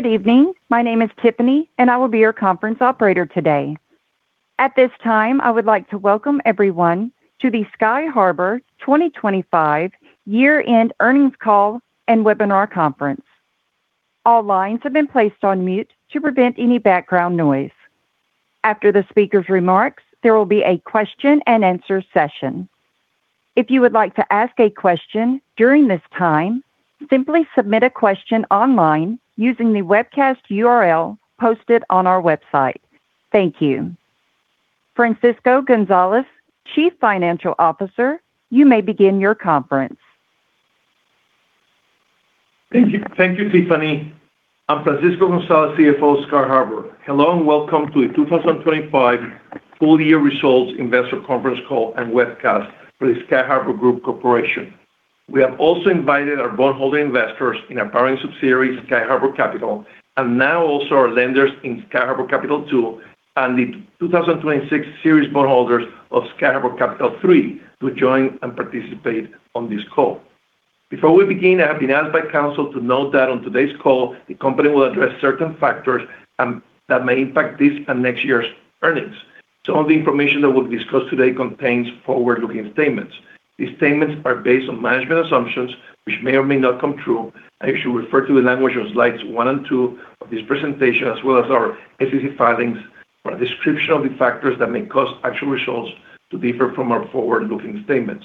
Good evening. My name is Tiffany, and I will be your conference operator today. At this time, I would like to welcome everyone to the Sky Harbour 2025 year-end earnings call and webinar conference. All lines have been placed on mute to prevent any background noise. After the speaker's remarks, there will be a question and answer session. If you would like to ask a question during this time, simply submit a question online using the webcast URL posted on our website. Thank you. Francisco Gonzalez, Chief Financial Officer, you may begin your conference. Thank you. Thank you, Tiffany. I'm Francisco Gonzalez, CFO of Sky Harbour. Hello and welcome to the 2025 full year results investor conference call and webcast for the Sky Harbour Group Corporation. We have also invited our bondholder investors in our parent subsidiary, Sky Harbour Capital, and now also our lenders in Sky Harbour Capital II and the 2026 series bondholders of Sky Harbour Capital III to join and participate on this call. Before we begin, I have been asked by counsel to note that on today's call, the company will address certain factors that may impact this and next year's earnings. All the information that we'll discuss today contains forward-looking statements. These statements are based on management assumptions which may or may not come true. I ask you to refer to the language on slides one and two of this presentation as well as our SEC filings for a description of the factors that may cause actual results to differ from our forward-looking statements.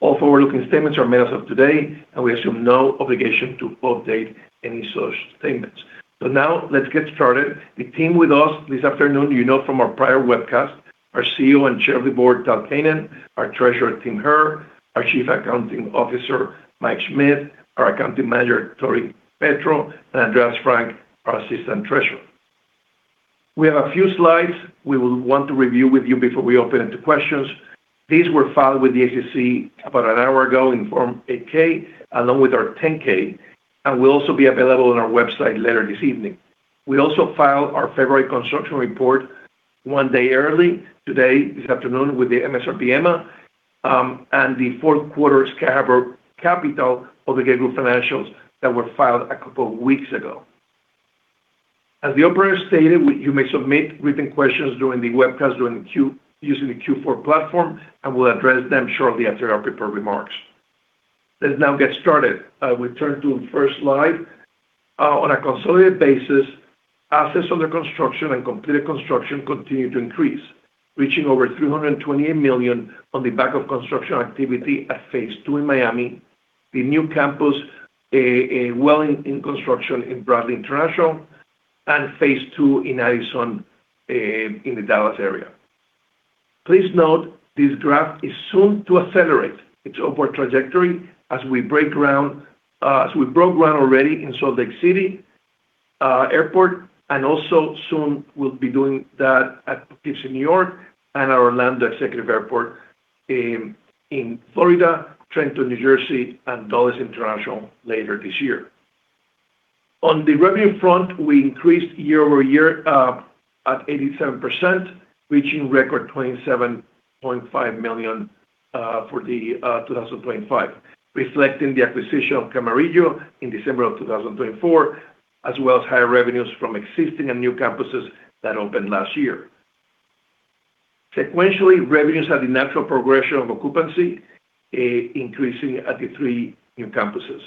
All forward-looking statements are made as of today, and we assume no obligation to update any such statements. Now let's get started. The team with us this afternoon, you know from our prior webcast. Our CEO and Chair of the Board, Tal Keinan, our Treasurer, Tim Herr, our Chief Accounting Officer, Mike Schmitt, our Accounting Manager, Tori Petro, and Andreas Frank, our Assistant Treasurer. We have a few slides we will want to review with you before we open it to questions. These were filed with the SEC about an hour ago in Form 8-K along with our 10-K and will also be available on our website later this evening. We also filed our February construction report one day early today, this afternoon, with the MSRB/EMMA, and the fourth quarter Sky Harbour Capital Obligated Group financials that were filed a couple weeks ago. As the operator stated, you may submit written questions during the webcast using the Q4 platform, and we'll address them shortly after our prepared remarks. Let's now get started. We turn to the first slide. On a consolidated basis, assets under construction and completed construction continue to increase, reaching over $328 million on the back of construction activity at phase II in Miami, the new campus, as well as construction in Bradley International and phase II in Addison, in the Dallas area. Please note this graph is soon to accelerate its upward trajectory as we broke ground already in Salt Lake City airport, and also soon we'll be doing that at Poughkeepsie, New York, and Orlando Executive Airport in Florida, Trenton, New Jersey, and Dallas International later this year. On the revenue front, we increased year-over-year at 87%, reaching record $27.5 million for 2025, reflecting the acquisition of Camarillo in December of 2024, as well as higher revenues from existing and new campuses that opened last year. Sequentially, revenues had the natural progression of occupancy increasing at the three new campuses.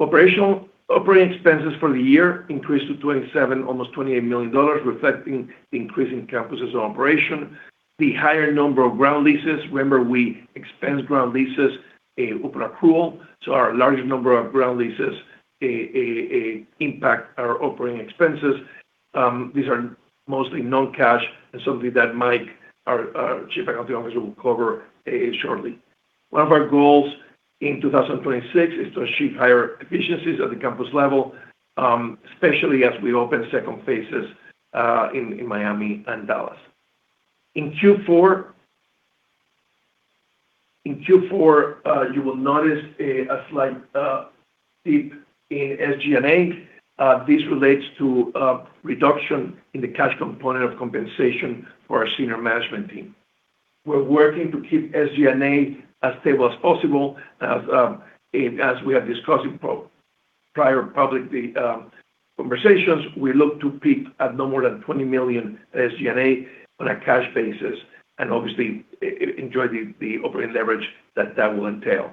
Operating expenses for the year increased to $27 million, almost $28 million, reflecting the increase in campus operations. The higher number of ground leases, remember, we expense ground leases on an accrual, so our larger number of ground leases impact our operating expenses. These are mostly non-cash and something that Mike, our Chief Accounting Officer, will cover shortly. One of our goals in 2026 is to achieve higher efficiencies at the campus level, especially as we open second phases in Miami and Dallas. In Q4, you will notice a slight dip in SG&A. This relates to reduction in the cash component of compensation for our senior management team. We're working to keep SG&A as stable as possible. As we have discussed in prior public conversations, we look to peak at no more than $20 million SG&A on a cash basis and obviously enjoy the operating leverage that will entail.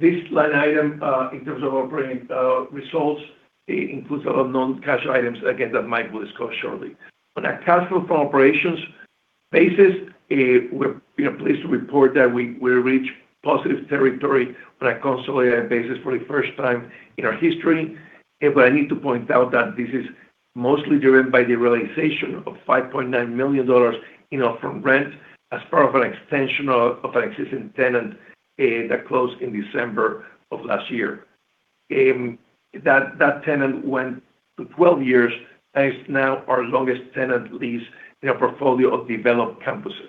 This line item in terms of operating results, it includes our non-cash items, again, that Mike will discuss shortly. On a cash flow from operations basis, we're, you know, pleased to report that we reached positive territory on a consolidated basis for the first time in our history. I need to point out that this is mostly driven by the realization of $5.9 million from rent as part of an extension of an existing tenant that closed in December of last year. That tenant went to 12 years and is now our longest tenant lease in our portfolio of developed campuses.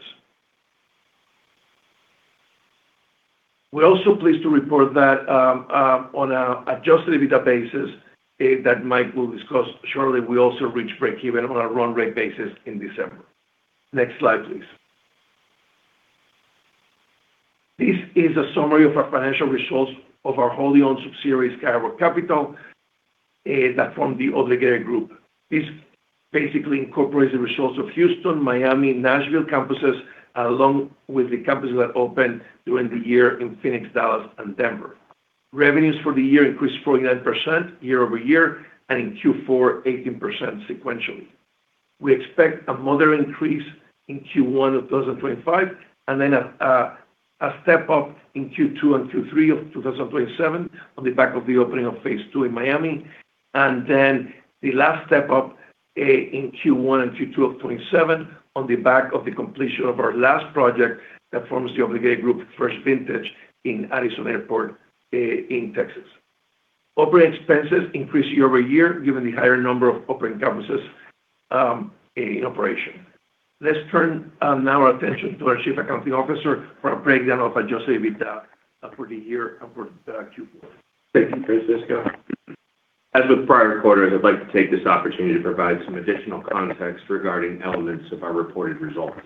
We're also pleased to report that on an adjusted EBITDA basis that Mike will discuss shortly, we also reached breakeven on a run rate basis in December. Next slide, please. This is a summary of our financial results of our wholly-owned subsidiary, Sky Harbour Capital, that form the Obligated Group. This basically incorporates the results of Houston, Miami, Nashville campuses, along with the campuses that opened during the year in Phoenix, Dallas and Denver. Revenues for the year increased 49% year-over-year, and in Q4, 18% sequentially. We expect a moderate increase in Q1 of 2025, and then a step-up in Q2 and Q3 of 2027 on the back of the opening of phase II in Miami. The last step up in Q1 and Q2 of 2027 on the back of the completion of our last project that forms the Obligated Group first vintage in Addison Airport in Texas. Operating expenses increased year-over-year, given the higher number of operating campuses in operation. Let's turn now our attention to our Chief Accounting Officer for a breakdown of adjusted EBITDA for the year and for Q4. Thank you, Francisco. As with prior quarters, I'd like to take this opportunity to provide some additional context regarding elements of our reported results.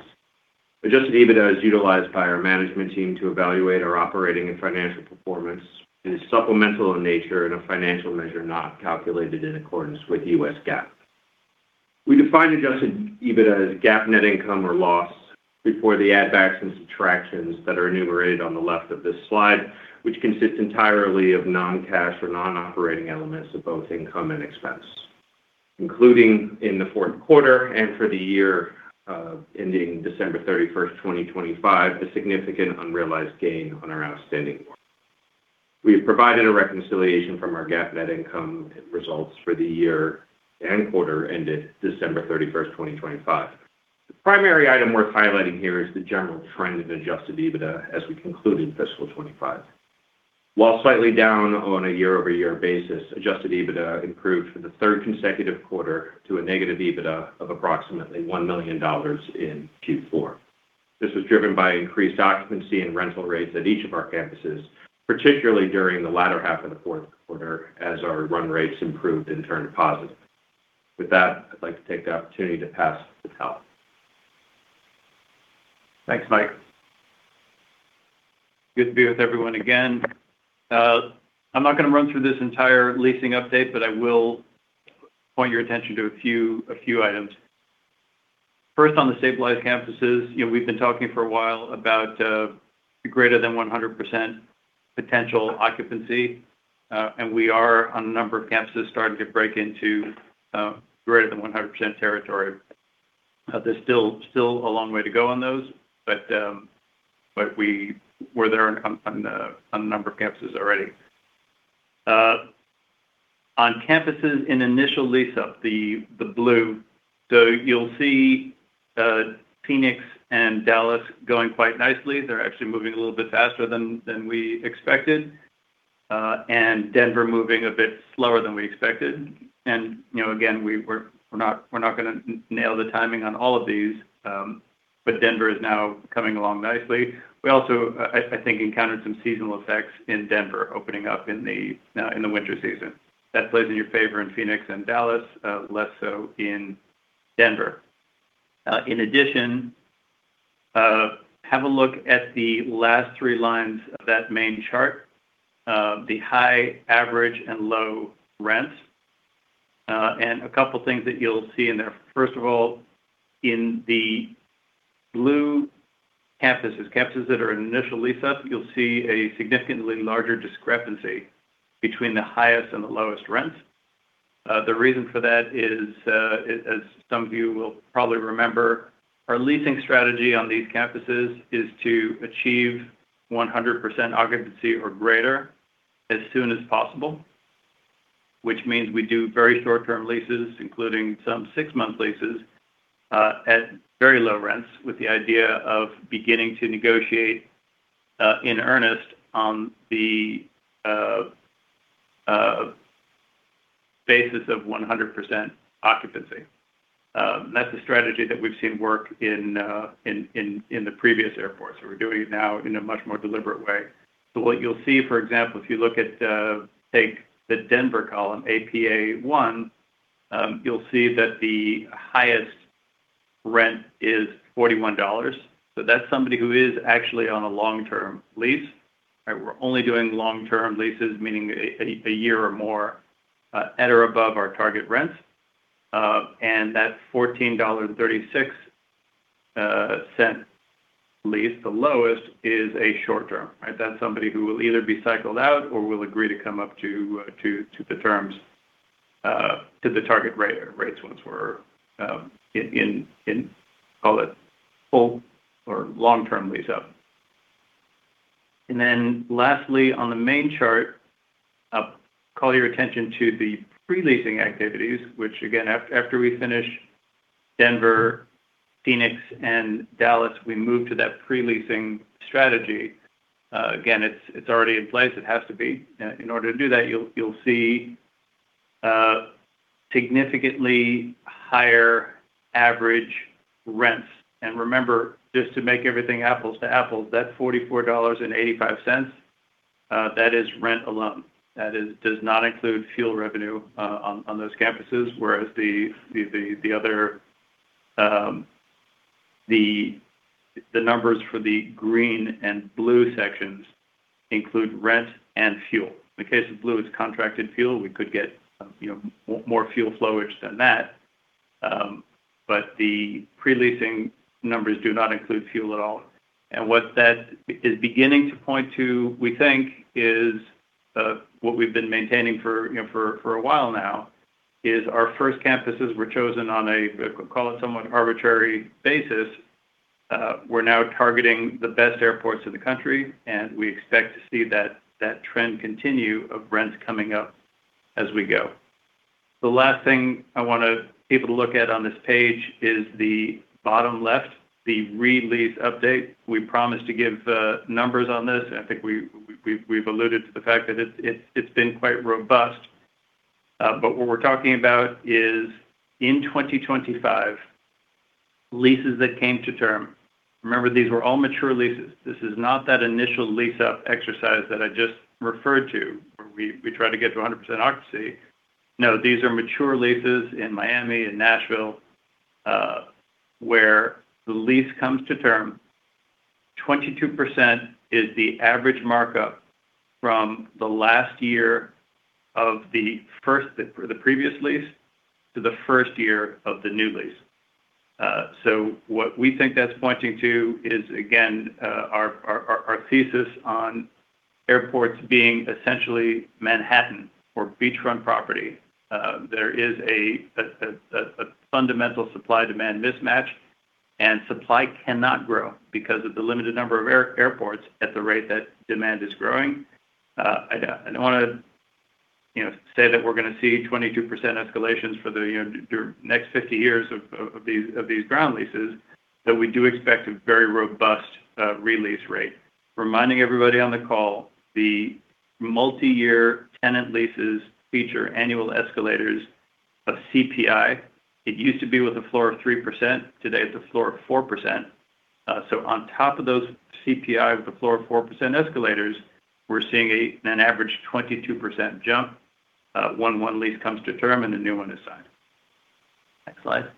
Adjusted EBITDA is utilized by our management team to evaluate our operating and financial performance. It is supplemental in nature and a financial measure not calculated in accordance with U.S. GAAP. We define adjusted EBITDA as GAAP net income or loss before the add backs and subtractions that are enumerated on the left of this slide, which consists entirely of non-cash or non-operating elements of both income and expense, including in the fourth quarter and for the year ending December 31, 2025, a significant unrealized gain on our outstanding warrants. We have provided a reconciliation from our GAAP net income results for the year and quarter ended December 31, 2025. The primary item worth highlighting here is the general trend of Adjusted EBITDA as we conclude in fiscal 2025. While slightly down on a year-over-year basis, Adjusted EBITDA improved for the third consecutive quarter to a negative EBITDA of approximately $1 million in Q4. This was driven by increased occupancy and rental rates at each of our campuses, particularly during the latter half of the fourth quarter as our run rates improved and turned positive. With that, I'd like to take the opportunity to pass to Tal. Thanks, Mike. Good to be with everyone again. I'm not gonna run through this entire leasing update, but I will point your attention to a few items. First, on the stabilized campuses, you know, we've been talking for a while about greater than 100% potential occupancy. We are on a number of campuses starting to break into greater than 100% territory. There's still a long way to go on those, but we're there on a number of campuses already. On campuses in initial lease-up, the blue. You'll see Phoenix and Dallas going quite nicely. They're actually moving a little bit faster than we expected. Denver moving a bit slower than we expected. You know, again, we're not gonna nail the timing on all of these, but Denver is now coming along nicely. We also, I think, encountered some seasonal effects in Denver opening up in the winter season. That plays in your favor in Phoenix and Dallas, less so in Denver. In addition, have a look at the last three lines of that main chart, the high, average, and low rents. A couple things that you'll see in there. First of all, in the blue campuses that are in initial lease-up, you'll see a significantly larger discrepancy between the highest and the lowest rents. The reason for that is, as some of you will probably remember, our leasing strategy on these campuses is to achieve 100% occupancy or greater as soon as possible, which means we do very short-term leases, including some six-month leases, at very low rents with the idea of beginning to negotiate in earnest on the basis of 100% occupancy. That's a strategy that we've seen work in the previous airports. We're doing it now in a much more deliberate way. What you'll see, for example, take the Denver column, APA one, you'll see that the highest rent is $41. That's somebody who is actually on a long-term lease. We're only doing long-term leases, meaning a year or more, at or above our target rents. That $14.36 lease, the lowest, is a short-term, right? That's somebody who will either be cycled out or will agree to come up to the terms to the target rates once we're in, call it full or long-term lease-up. Lastly, on the main chart, I'll call your attention to the pre-leasing activities, which again, after we finish Denver, Phoenix, and Dallas, we move to that pre-leasing strategy. Again, it's already in place. It has to be. In order to do that, you'll see significantly higher average rents. Remember, just to make everything apples to apples, that $44.85, that is rent alone. That does not include fuel revenue on those campuses, whereas the other numbers for the green and blue sections include rent and fuel. In the case of blue, it's contracted fuel. We could get, you know, more fuel flowage than that, but the pre-leasing numbers do not include fuel at all. What that is beginning to point to, we think is what we've been maintaining for, you know, for a while now is our first campuses were chosen on a, we call it somewhat arbitrary basis. We're now targeting the best airports in the country, and we expect to see that trend continue of rents coming up as we go. The last thing I want people to look at on this page is the bottom left, the re-lease update. We promised to give numbers on this. I think we've alluded to the fact that it's been quite robust. What we're talking about is in 2025, leases that came to term. Remember, these were all mature leases. This is not that initial lease up exercise that I just referred to, where we try to get to 100% occupancy. No, these are mature leases in Miami and Nashville, where the lease comes to term. 22% is the average markup from the last year of the previous lease to the first year of the new lease. What we think that's pointing to is, again, our thesis on airports being essentially Manhattan or beachfront property. There is a fundamental supply-demand mismatch, and supply cannot grow because of the limited number of airports at the rate that demand is growing. I don't wanna, you know, say that we're gonna see 22% escalations for the, you know, next 50 years of these ground leases, but we do expect a very robust re-lease rate. Reminding everybody on the call, the multi-year tenant leases feature annual escalators of CPI. It used to be with a floor of 3%, today it's a floor of 4%. So on top of those CPI with the floor of 4% escalators, we're seeing an average 22% jump when one lease comes to term and a new one is signed. Next slide.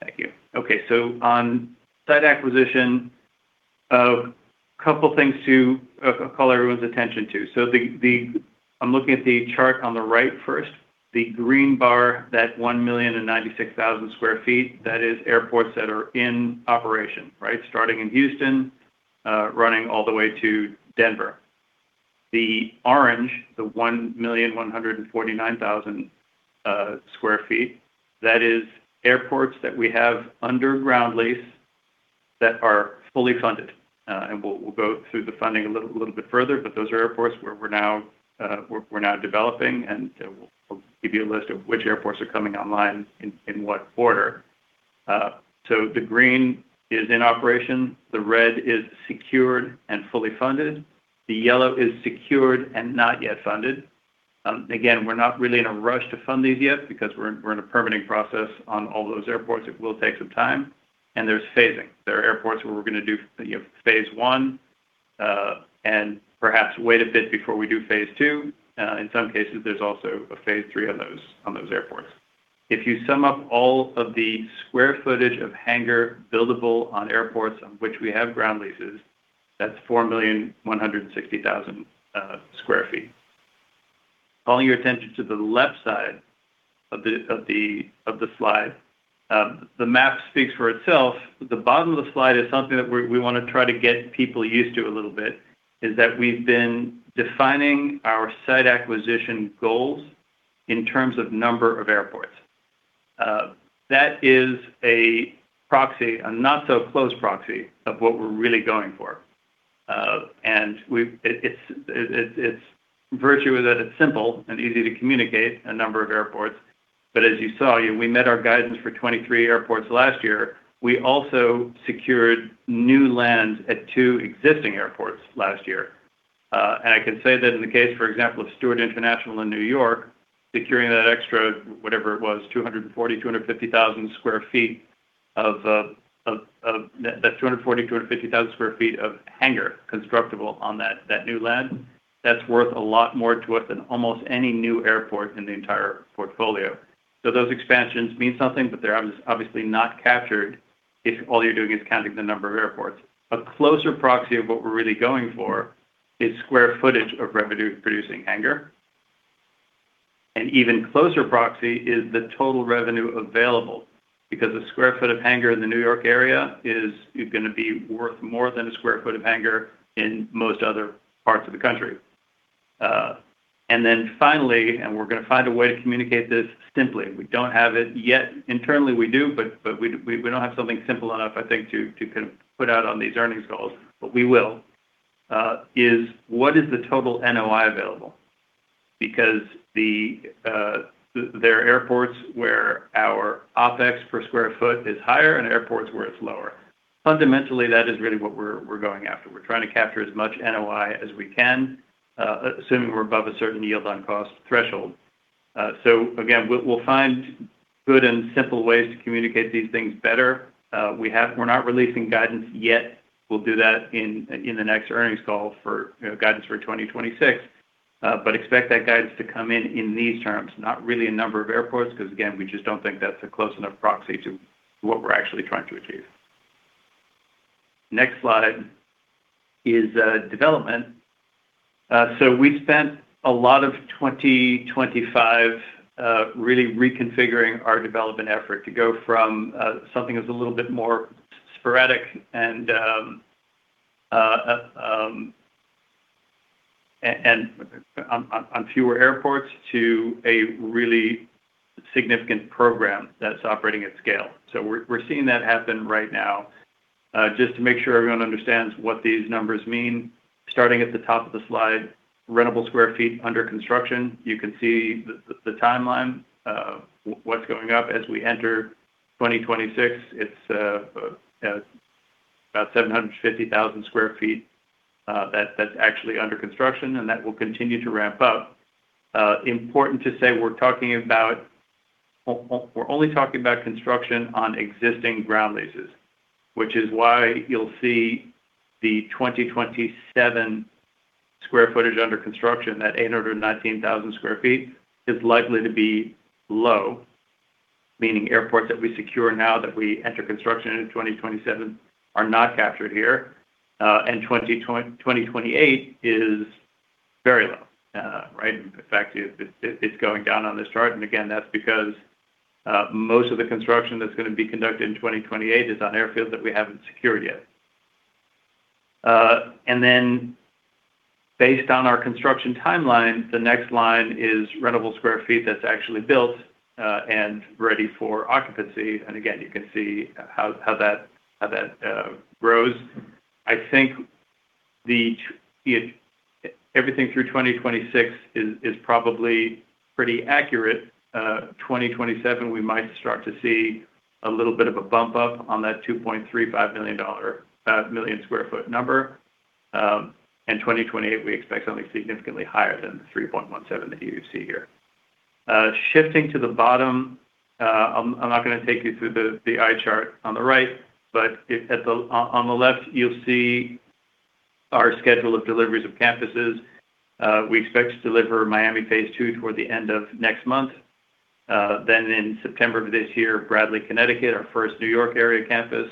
Thank you. Okay. On site acquisition, a couple of things to call everyone's attention to. I'm looking at the chart on the right first. The green bar, that 1,096,000 sq ft, that is airports that are in operation, right? Starting in Houston, running all the way to Denver. The orange, the 1,149,000 sq ft, that is airports that we have ground lease that are fully funded. And we'll go through the funding a little bit further, but those are airports where we're now developing, and we'll give you a list of which airports are coming online in what order. The green is in operation, the red is secured and fully funded. The yellow is secured and not yet funded. Again, we're not really in a rush to fund these yet because we're in a permitting process on all those airports. It will take some time. There's phasing. There are airports where we're gonna do, you know, phase I, and perhaps wait a bit before we do phase II. In some cases, there's also a phase III on those airports. If you sum up all of the square footage of hangar buildable on airports on which we have ground leases, that's 4,160,000 sq ft. Calling your attention to the left side of the slide. The map speaks for itself. The bottom of the slide is something that we wanna try to get people used to a little bit, is that we've been defining our site acquisition goals in terms of number of airports. That is a proxy, a not so close proxy of what we're really going for. Its virtue is that it's simple and easy to communicate a number of airports. As you saw, we met our guidance for 23 airports last year. We also secured new land at two existing airports last year. I can say that in the case, for example, of Stewart International in New York, securing that extra, whatever it was, 240,000 sq ft to 250,000 sq ft of hangar constructible on that new land, that's worth a lot more to us than almost any new airport in the entire portfolio. Those expansions mean something, but they're obviously not captured if all you're doing is counting the number of airports. A closer proxy of what we're really going for is square footage of revenue-producing hangar. An even closer proxy is the total revenue available because a square foot of hangar in the New York area is gonna be worth more than a square foot of hangar in most other parts of the country. Then finally, we're gonna find a way to communicate this simply. We don't have it yet. Internally, we do, but we don't have something simple enough, I think, to put out on these earnings calls, but we will. What is the total NOI available? Because there are airports where our OpEx per square foot is higher and airports where it's lower. Fundamentally, that is really what we're going after. We're trying to capture as much NOI as we can, assuming we're above a certain yield on cost threshold. Again, we'll find good and simple ways to communicate these things better. We're not releasing guidance yet. We'll do that in the next earnings call for, you know, guidance for 2026. Expect that guidance to come in these terms, not really a number of airports because again, we just don't think that's a close enough proxy to what we're actually trying to achieve. Next slide is development. We spent a lot of 2025 really reconfiguring our development effort to go from something that's a little bit more sporadic and on fewer airports to a really significant program that's operating at scale. We're seeing that happen right now. Just to make sure everyone understands what these numbers mean, starting at the top of the slide, rentable square feet under construction. You can see the timeline of what's going up as we enter 2026. It's about 750,000 sq ft, that's actually under construction, and that will continue to ramp up. Important to say we're only talking about construction on existing ground leases, which is why you'll see the 2027 square footage under construction, that 819,000 sq ft is likely to be low, meaning airports that we secure now that we enter construction in 2027 are not captured here. 2028 is very low. Right. In fact, it's going down on this chart. Again, that's because most of the construction that's gonna be conducted in 2028 is on airfields that we haven't secured yet. Based on our construction timeline, the next line is rentable square feet that's actually built and ready for occupancy. You can see how that grows. I think if everything through 2026 is probably pretty accurate. In 2027, we might start to see a little bit of a bump up on that 2.35 million sq ft number. In 2028, we expect something significantly higher than the 3.17 that you see here. Shifting to the bottom, I'm not gonna take you through the eye chart on the right, but on the left, you'll see our schedule of deliveries of campuses. We expect to deliver Miami phase II toward the end of next month. In September of this year, Bradley, Connecticut, our first New York area campus.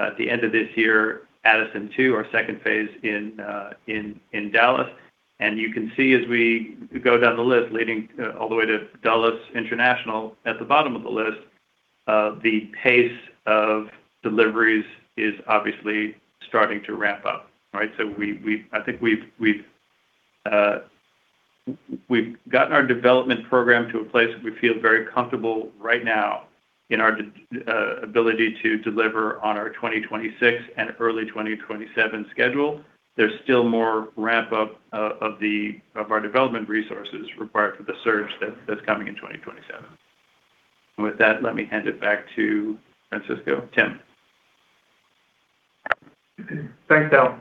At the end of this year, Addison two, our second phase in Dallas. You can see as we go down the list, leading all the way to Dulles International at the bottom of the list, the pace of deliveries is obviously starting to ramp up, right? I think we've gotten our development program to a place that we feel very comfortable right now in our ability to deliver on our 2026 and early 2027 schedule. There's still more ramp up of our development resources required for the surge that's coming in 2027. With that, let me hand it back to Francisco. Tim. Thanks, Tal.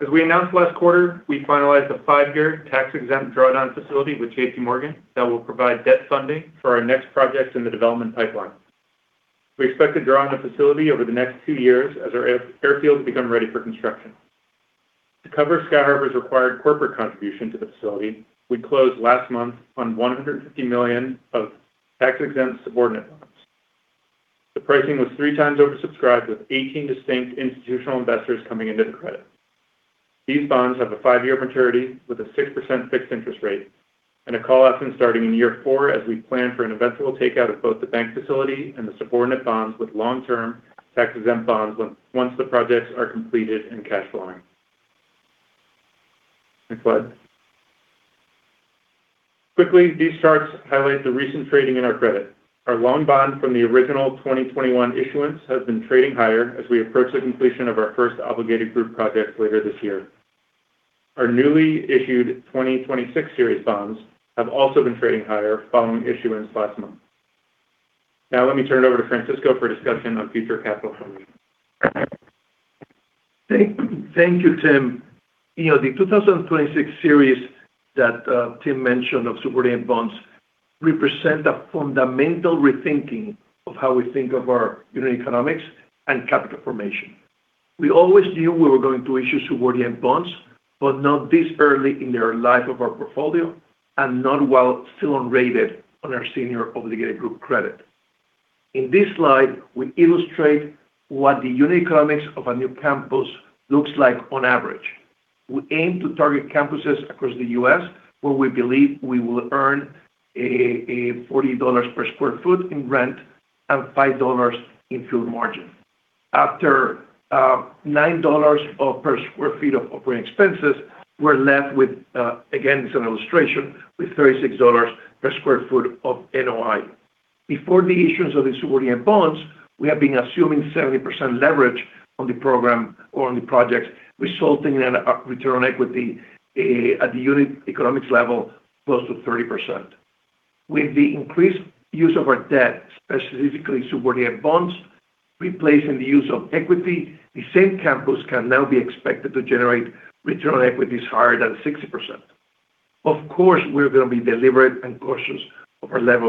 As we announced last quarter, we finalized a five-year tax-exempt drawdown facility with JPMorgan that will provide debt funding for our next projects in the development pipeline. We expect to draw on the facility over the next two years as our airfields become ready for construction. To cover Sky Harbour's required corporate contribution to the facility, we closed last month on $150 million of tax-exempt subordinate loans. The pricing was 3x oversubscribed, with 18 distinct institutional investors coming into the credit. These bonds have a five-year maturity with a 6% fixed interest rate and a call option starting in year four as we plan for an eventual takeout of both the bank facility and the subordinate bonds with long-term tax-exempt bonds once the projects are completed and cash flowing. Next slide. Quickly, these charts highlight the recent trading in our credit. Our loan bond from the original 2021 issuance has been trading higher as we approach the completion of our first Obligated Group project later this year. Our newly issued 2026 series bonds have also been trading higher following issuance last month. Now let me turn it over to Francisco for a discussion on future capital funding. Thank you, Tim. You know, the 2026 series that Tim mentioned of subordinate bonds represent a fundamental rethinking of how we think of our unit economics and capital formation. We always knew we were going to issue subordinate bonds, but not this early in the life of our portfolio and not while still unrated on our senior Obligated Group credit. In this slide, we illustrate what the unit economics of a new campus looks like on average. We aim to target campuses across the U.S., where we believe we will earn $40 per sq ft in rent and $5 in field margin. After $9 per sq ft of operating expenses, we're left with, again, this is an illustration, with $36 per sq ft of NOI. Before the issuance of the subordinate bonds, we have been assuming 70% leverage on the program or on the projects, resulting in a return on equity at the unit economics level close to 30%. With the increased use of our debt, specifically subordinate bonds. Replacing the use of equity, the same campus can now be expected to generate return on equity is higher than 60%. Of course, we're going to be deliberate and cautious of our level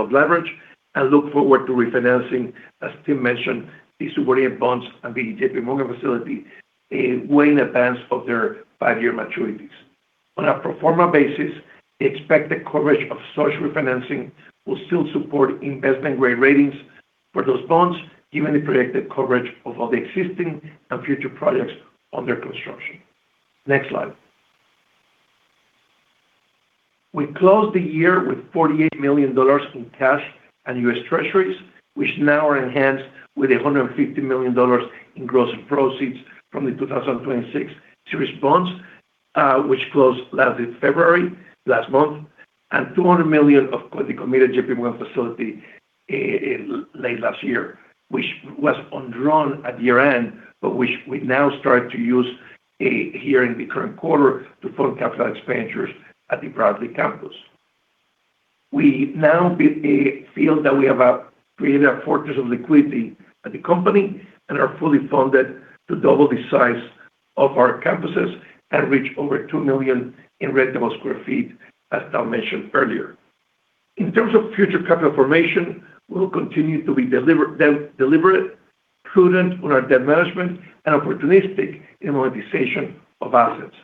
of leverage and look forward to refinancing, as Tim mentioned, the subordinate bonds and the JPMorgan facility, way in advance of their five-year maturities. On a pro forma basis, the expected coverage of such refinancing will still support investment-grade ratings for those bonds, given the predicted coverage of all the existing and future projects under construction. Next slide. We closed the year with $48 million in cash and U.S. Treasuries, which now are enhanced with $150 million in gross proceeds from the 2026 series bonds, which closed last in February, last month, and $200 million of the committed JPMorgan facility in late last year. Which was undrawn at year-end, but which we now start to use here in the current quarter to fund capital expenditures at the Bradley campus. We now feel that we have created a fortress of liquidity at the company and are fully funded to double the size of our campuses and reach over 2 million sq ft in rentable square feet, as Tal mentioned earlier. In terms of future capital formation, we will continue to be deliberate, prudent on our debt management and opportunistic in monetization of assets.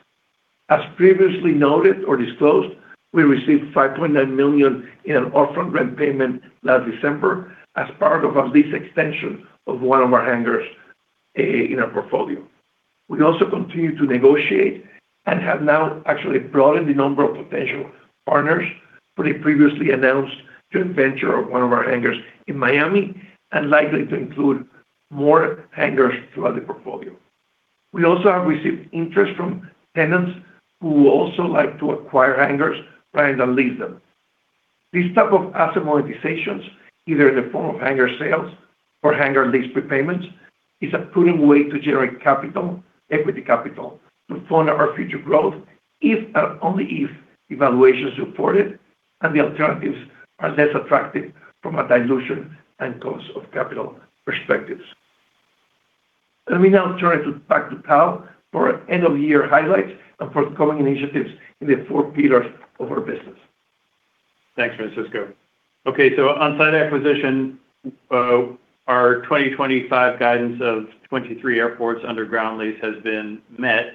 As previously noted or disclosed, we received $5.9 million in an upfront rent payment last December as part of a lease extension of one of our hangars in our portfolio. We also continue to negotiate and have now actually broadened the number of potential partners for the previously announced joint venture of one of our hangars in Miami and likely to include more hangars throughout the portfolio. We also have received interest from tenants who would also like to acquire hangars rather than lease them. This type of asset monetizations, either in the form of hangar sales or hangar lease prepayments, is a prudent way to generate capital, equity capital to fund our future growth if and only if valuations support it and the alternatives are less attractive from a dilution and cost of capital perspectives. Let me now turn it back to Tal for end-of-year highlights and forthcoming initiatives in the four pillars of our business. Thanks, Francisco. Okay. On site acquisition, our 2025 guidance of 23 airports under ground lease has been met.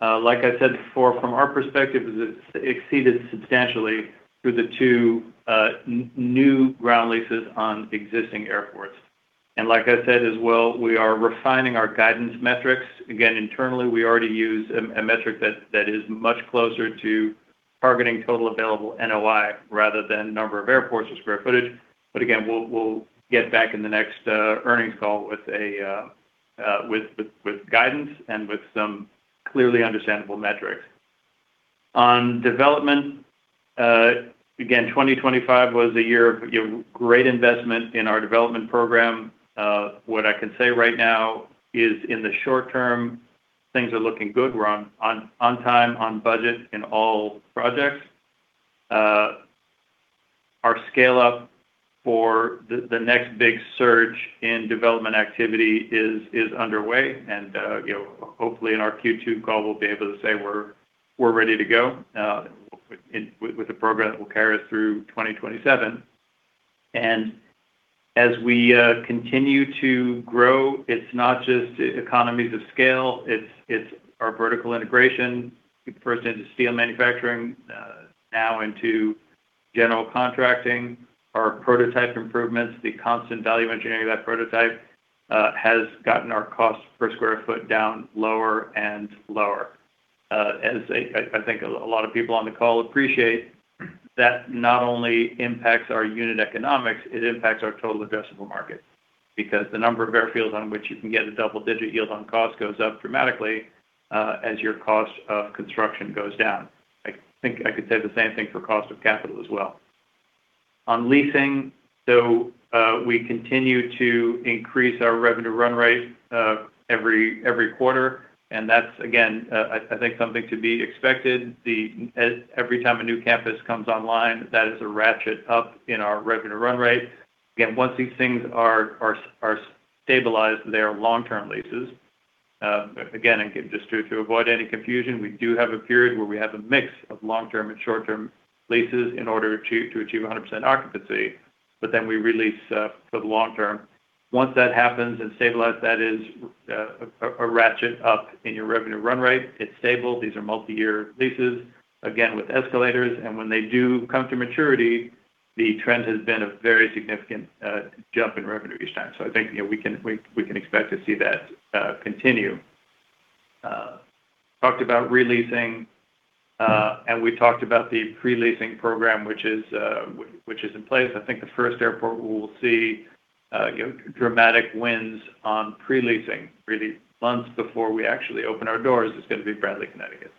Like I said before, from our perspective, it's exceeded substantially through the two new ground leases on existing airports. Like I said as well, we are refining our guidance metrics. Again, internally, we already use a metric that is much closer to targeting total available NOI rather than number of airports or square footage. Again, we'll get back in the next earnings call with guidance and with some clearly understandable metrics. On development, again, 2025 was a year of great investment in our development program. What I can say right now is in the short term, things are looking good. We're on time, on budget in all projects. Our scale-up for the next big surge in development activity is underway. You know, hopefully, in our Q2 call, we'll be able to say we're ready to go with a program that will carry us through 2027. As we continue to grow, it's not just economies of scale, it's our vertical integration, first into steel manufacturing, now into general contracting. Our prototype improvements, the constant value engineering of that prototype, has gotten our cost per sq ft down lower and lower. As I think a lot of people on the call appreciate that not only impacts our unit economics, it impacts our total addressable market. Because the number of airfields on which you can get a double-digit yield on cost goes up dramatically as your cost of construction goes down. I think I could say the same thing for cost of capital as well. On leasing, we continue to increase our revenue run rate every quarter, and that's, again, I think something to be expected. Every time a new campus comes online, that is a ratchet up in our revenue run rate. Again, once these things are stabilized, they are long-term leases. Again, and just to avoid any confusion, we do have a period where we have a mix of long-term and short-term leases in order to achieve 100% occupancy, but then we re-lease for the long term. Once that happens and stabilize, that is a ratchet up in your revenue run rate. It's stable. These are multi-year leases, again, with escalators. When they do come to maturity, the trend has been a very significant jump in revenue each time. I think, you know, we can expect to see that continue. Talked about re-leasing and we talked about the pre-leasing program, which is in place. I think the first airport we will see, you know, dramatic wins on pre-leasing, really months before we actually open our doors, is gonna be Bradley, Connecticut.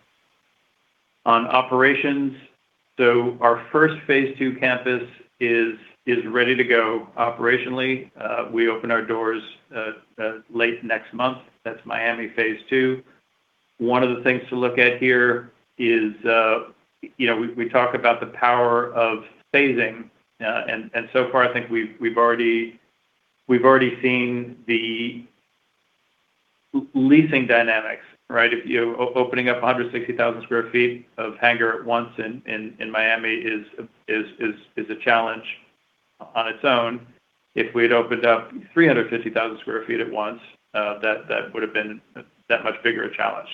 On operations, our first phase II campus is ready to go operationally. We open our doors late next month. That's Miami phase II. One of the things to look at here is, you know, we talk about the power of phasing and so far I think we've already seen the leasing dynamics, right? Opening up 160,000 sq ft of hangar at once in Miami is a challenge on its own. If we had opened up 350,000 sq ft at once, that would have been that much bigger a challenge.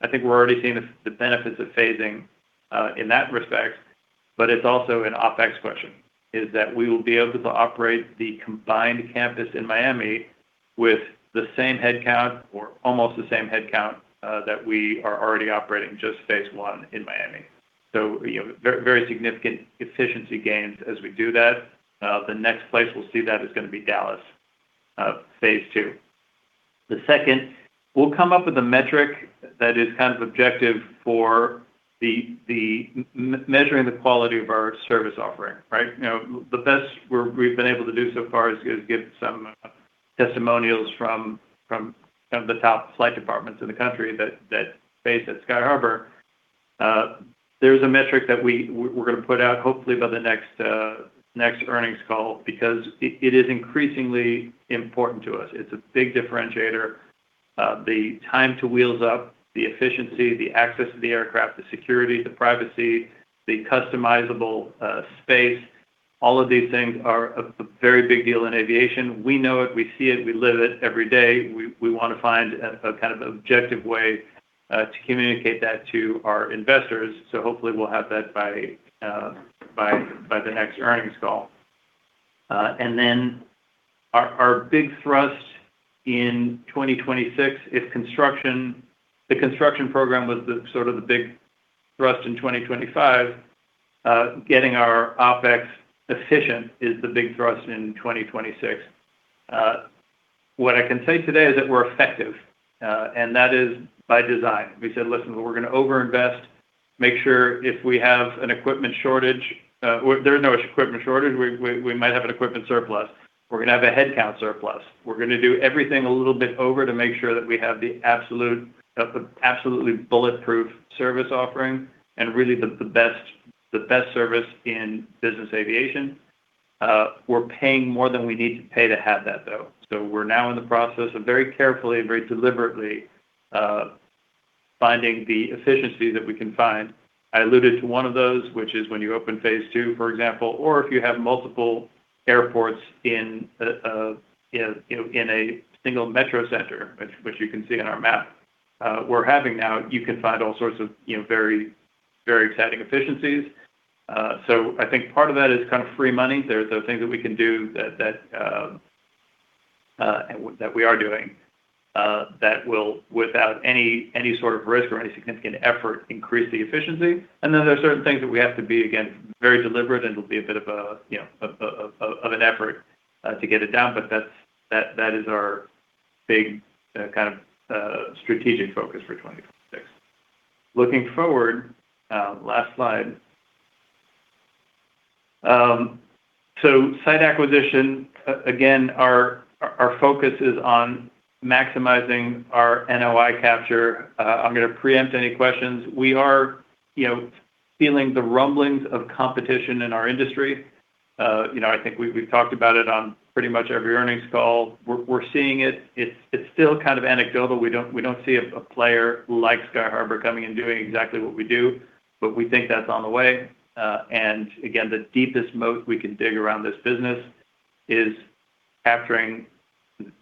I think we're already seeing the benefits of phasing in that respect, but it's also an OpEx question, is that we will be able to operate the combined campus in Miami with the same headcount or almost the same headcount that we are already operating just phase I in Miami. You know, very significant efficiency gains as we do that. The next place we'll see that is gonna be Dallas, phase II. The second, we'll come up with a metric that is kind of objective for the measuring the quality of our service offering, right? You know, the best we've been able to do so far is give some testimonials from some of the top flight departments in the country that base at Sky Harbour. There's a metric that we're gonna put out hopefully by the next earnings call because it is increasingly important to us. It's a big differentiator. The time to wheels up, the efficiency, the access to the aircraft, the security, the privacy, the customizable space, all of these things are a very big deal in aviation. We know it, we see it, we live it every day. We wanna find a kind of objective way to communicate that to our investors. Hopefully we'll have that by the next earnings call. Our big thrust in 2026, the construction program was the sort of the big thrust in 2025. Getting our OpEx efficient is the big thrust in 2026. What I can say today is that we're effective, and that is by design. We said, "Listen, we're gonna overinvest, make sure there is no equipment shortage, we might have an equipment surplus. We're gonna have a headcount surplus. We're gonna do everything a little bit over to make sure that we have the absolute, absolutely bulletproof service offering and really the best service in business aviation." We're paying more than we need to pay to have that though. We're now in the process of very carefully and very deliberately finding the efficiency that we can find. I alluded to one of those, which is when you open phase II, for example, or if you have multiple airports in you know in a single metro center, which you can see on our map, we're having now, you can find all sorts of you know very exciting efficiencies. I think part of that is kind of free money. There's those things that we can do that we are doing that will without any sort of risk or any significant effort increase the efficiency. There are certain things that we have to be, again, very deliberate, and it'll be a bit of a, you know, an effort to get it down, but that is our big kind of strategic focus for 2026. Looking forward, last slide. Site acquisition, again, our focus is on maximizing our NOI capture. I'm gonna preempt any questions. We are, you know, feeling the rumblings of competition in our industry. You know, I think we've talked about it on pretty much every earnings call. We're seeing it. It's still kind of anecdotal. We don't see a player like Sky Harbour coming and doing exactly what we do, but we think that's on the way. The deepest moat we can dig around this business is capturing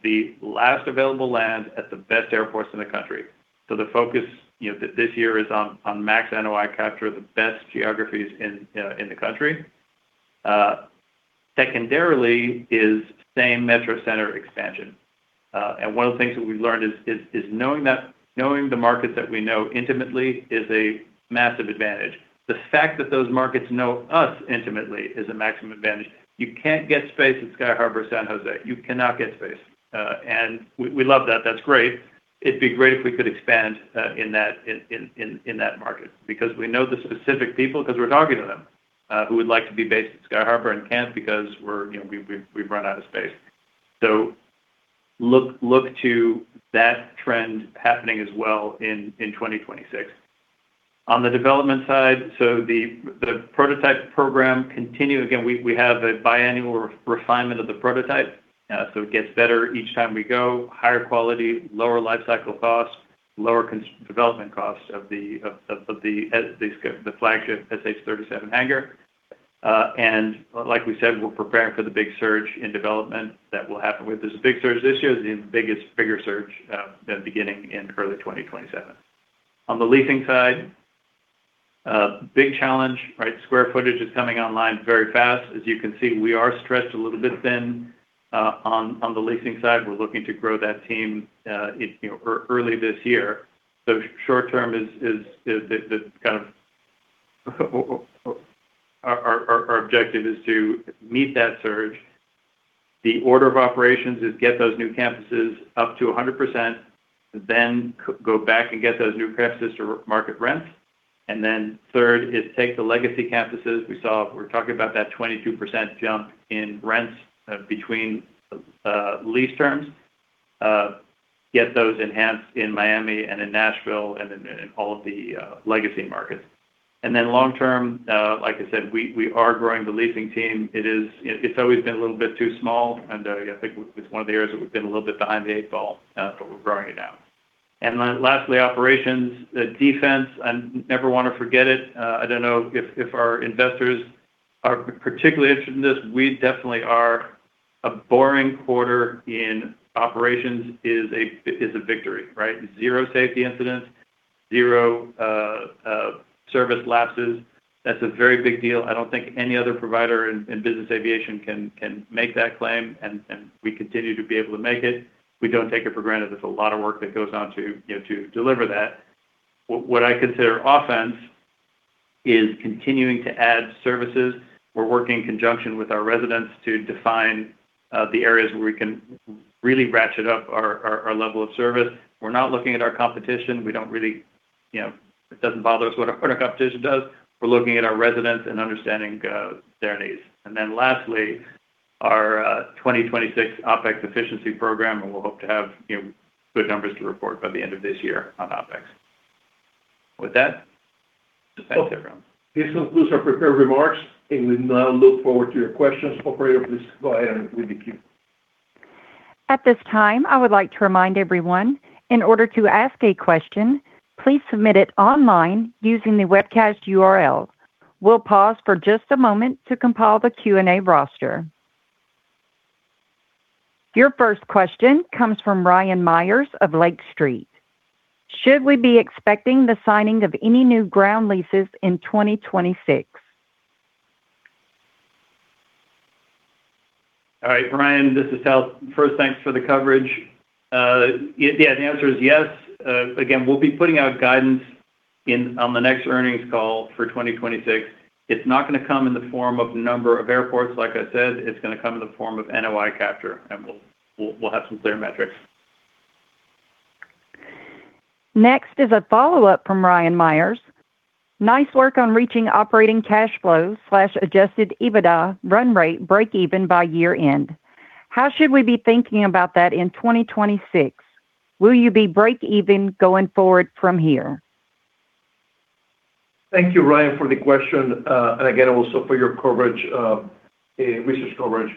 the last available land at the best airports in the country. The focus, you know, this year is on max NOI capture, the best geographies in the country. Secondarily is same metro center expansion. One of the things that we've learned is knowing the markets that we know intimately is a massive advantage. The fact that those markets know us intimately is a maximum advantage. You can't get space at Sky Harbour, San Jose. You cannot get space. We love that. That's great. It'd be great if we could expand in that market because we know the specific people because we're talking to them who would like to be based at Sky Harbour and can't because we're, you know, we've run out of space. Look to that trend happening as well in 2026. On the development side, the prototype program continue. Again, we have a biannual refinement of the prototype, so it gets better each time we go. Higher quality, lower lifecycle cost, lower development cost of the flagship SH-37 hangar. Like we said, we're preparing for the big surge in development that will happen with this. The big surge this year is the biggest surge than beginning in early 2027. On the leasing side, big challenge, right? Square footage is coming online very fast. As you can see, we are stretched a little bit thin on the leasing side. We're looking to grow that team in, you know, early this year. Our objective is to meet that surge. The order of operations is get those new campuses up to 100%, then go back and get those new campuses to market rent. Then third is take the legacy campuses. We're talking about that 22% jump in rents between lease terms. Get those enhanced in Miami and in Nashville and all of the legacy markets. Then long term, like I said, we are growing the leasing team. It's always been a little bit too small, and I think it's one of the areas that we've been a little bit behind the eight ball, but we're growing it now. Then lastly, operations. Defense, I never wanna forget it. I don't know if our investors are particularly interested in this. We definitely are. A boring quarter in operations is a victory, right? Zero safety incidents, zero service lapses, that's a very big deal. I don't think any other provider in business aviation can make that claim, and we continue to be able to make it. We don't take it for granted. There's a lot of work that goes on to deliver that. What I consider offense is continuing to add services. We're working in conjunction with our residents to define the areas where we can really ratchet up our level of service. We're not looking at our competition. We don't really, you know. It doesn't bother us what our competition does. We're looking at our residents and understanding their needs. Then lastly, our 2026 OpEx efficiency program, and we'll hope to have, you know, good numbers to report by the end of this year on OpEx. With that, back to Francisco. This concludes our prepared remarks, and we now look forward to your questions. Operator, please go ahead and read the queue. At this time, I would like to remind everyone, in order to ask a question, please submit it online using the webcast URL. We'll pause for just a moment to compile the Q&A roster. Your first question comes from Ryan Meyers of Lake Street. Should we be expecting the signing of any new ground leases in 2026? All right. Ryan, this is Tal. First, thanks for the coverage. Yeah, the answer is yes. Again, we'll be putting out guidance on the next earnings call for 2026. It's not gonna come in the form of number of airports. Like I said, it's gonna come in the form of NOI capture, and we'll have some clear metrics. Next is a follow-up from Ryan Meyers. Nice work on reaching operating cash flows/adjusted EBITDA run rate breakeven by year-end. How should we be thinking about that in 2026? Will you be breakeven going forward from here? Thank you, Ryan, for the question, and again, also for your coverage, research coverage.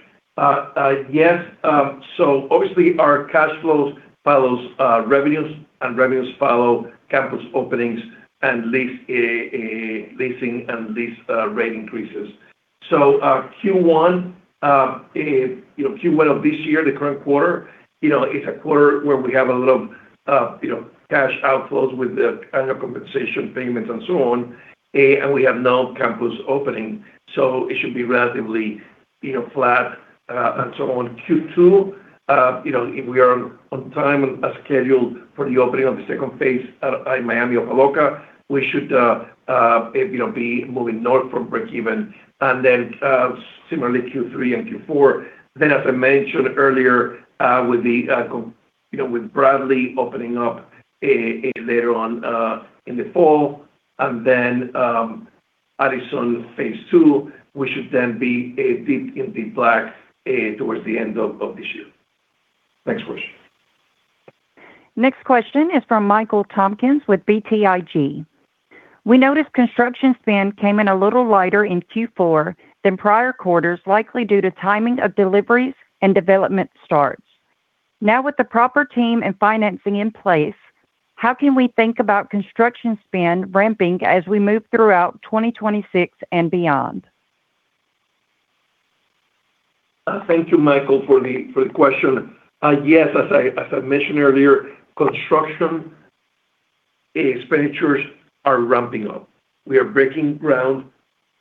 Yes. Obviously, our cash flows follows revenues, and revenues follow campus openings and leasing and lease rate increases. Q1 of this year, the current quarter, is a quarter where we have a lot of cash outflows with the annual compensation payments and so on. We have no campus opening. It should be relatively, you know, flat, and so on. Q2, if we are on time and as scheduled for the opening of the second phase in Miami Opa Locka, we should be moving north from breakeven. Similarly, Q3 and Q4. As I mentioned earlier, you know, with Bradley opening up later on in the fall, and then Addison phase II, we should then be a bit in the black towards the end of this year. Next question. Next question is from Michael Tompkins with BTIG. We noticed construction spend came in a little lighter in Q4 than prior quarters, likely due to timing of deliveries and development starts. Now, with the proper team and financing in place, how can we think about construction spend ramping as we move throughout 2026 and beyond? Thank you, Michael, for the question. Yes, as I mentioned earlier, construction expenditures are ramping up. We are breaking ground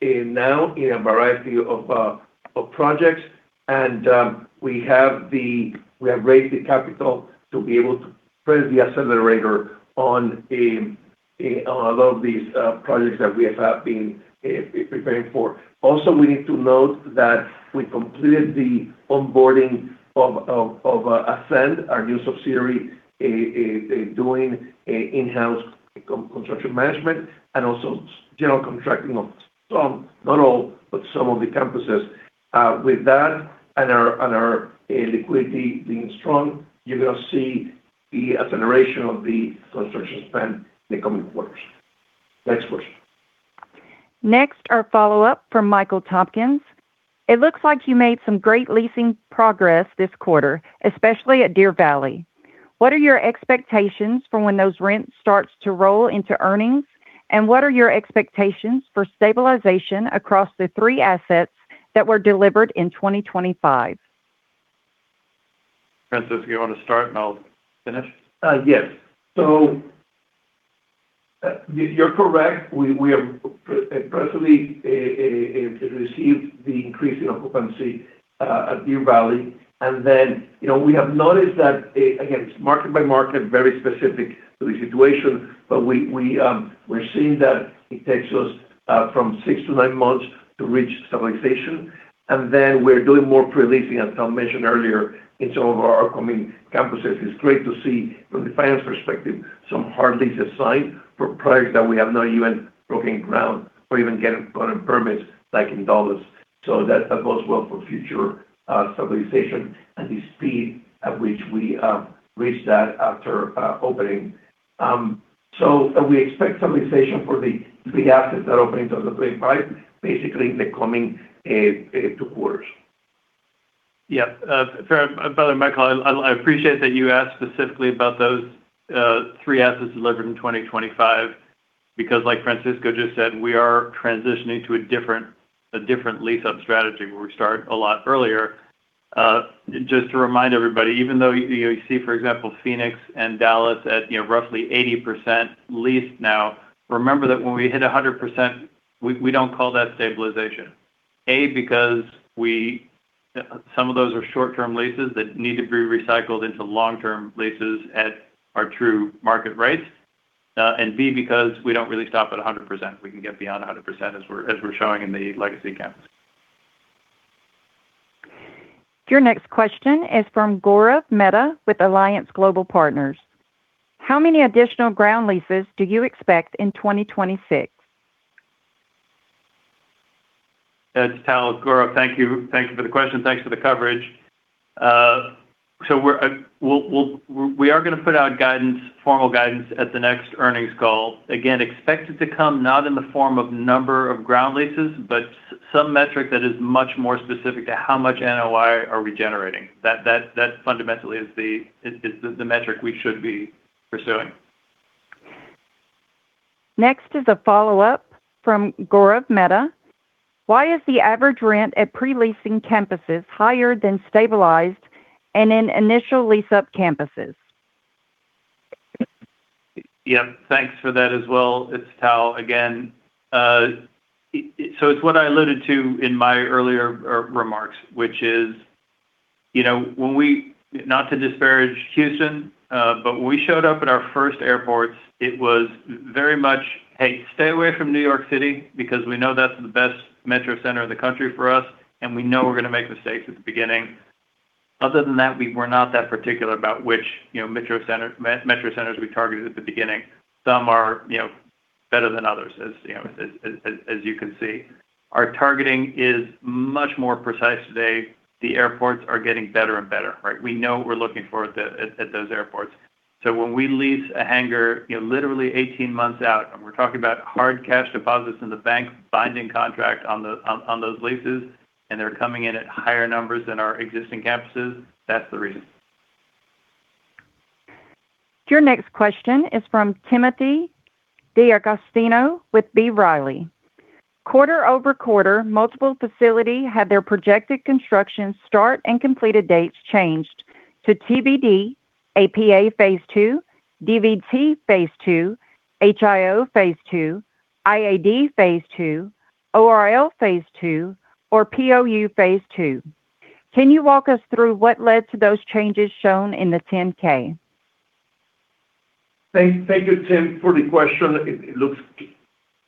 now in a variety of projects, and we have raised the capital to be able to press the accelerator on a lot of these projects that we have been preparing for. Also, we need to note that we completed the onboarding of Ascend, our new subsidiary, doing in-house construction management and also general contracting of some, not all, but some of the campuses. With that and our liquidity being strong, you're gonna see the acceleration of the construction spend in the coming quarters. Next question. Next, our follow-up from Michael Tompkins. It looks like you made some great leasing progress this quarter, especially at Deer Valley. What are your expectations for when those rents starts to roll into earnings, and what are your expectations for stabilization across the three assets that were delivered in 2025? Francisco, you wanna start and I'll finish? Yes. You're correct. We have progressively received the increase in occupancy at Deer Valley. You know, we have noticed that, again, it's market by market, very specific to the situation, but we're seeing that it takes us from six to nine months to reach stabilization. We're doing more pre-leasing, as Tal mentioned earlier, in some of our upcoming campuses. It's great to see from the finance perspective some hard leases signed for projects that we have not even broken ground or even putting permits like in Dallas. That bodes well for future stabilization and the speed at which we reach that after opening. We expect stabilization for the three assets that open in 2025, basically in the coming two quarters. Yeah. For Michael, I appreciate that you asked specifically about those three assets delivered in 2025 because, like Francisco just said, we are transitioning to a different lease-up strategy where we start a lot earlier. Just to remind everybody, even though you see, for example, Phoenix and Dallas at, you know, roughly 80% leased now, remember that when we hit 100%, we don't call that stabilization. A, because some of those are short-term leases that need to be recycled into long-term leases at our true market rates. And B, because we don't really stop at 100%. We can get beyond 100% as we're showing in the legacy campus. Your next question is from Gaurav Mehta with Alliance Global Partners. How many additional ground leases do you expect in 2026? It's Tal. Gaurav, thank you. Thank you for the question. Thanks for the coverage. We're going to put out guidance, formal guidance at the next earnings call. Again, expect it to come not in the form of number of ground leases, but some metric that is much more specific to how much NOI are we generating. That fundamentally is the metric we should be pursuing. Next is a follow-up from Gaurav Mehta. Why is the average rent at pre-leasing campuses higher than stabilized and in initial lease-up campuses? Yeah. Thanks for that as well. It's Tal again. So it's what I alluded to in my earlier remarks, which is, you know, when we, not to disparage Houston, but when we showed up at our first airports, it was very much, "Hey, stay away from New York City because we know that's the best metro center in the country for us, and we know we're going to make mistakes at the beginning." Other than that, we were not that particular about which, you know, metro centers we targeted at the beginning. Some are, you know, better than others, as you can see. Our targeting is much more precise today. The airports are getting better and better, right? We know we're looking for at those airports. When we lease a hangar, you know, literally 18 months out, and we're talking about hard cash deposits in the bank binding contract on those leases, and they're coming in at higher numbers than our existing campuses, that's the reason. Your next question is from Timothy D'Agostino with B. Riley. Quarter-over-quarter, multiple facilities had their projected construction start and completed dates changed to TBD, APA phase II, DVT phase II, HIO phase II, IAD phase II, ORL phase II, or POU phase II. Can you walk us through what led to those changes shown in the 10-K? Thank you, Tim, for the question.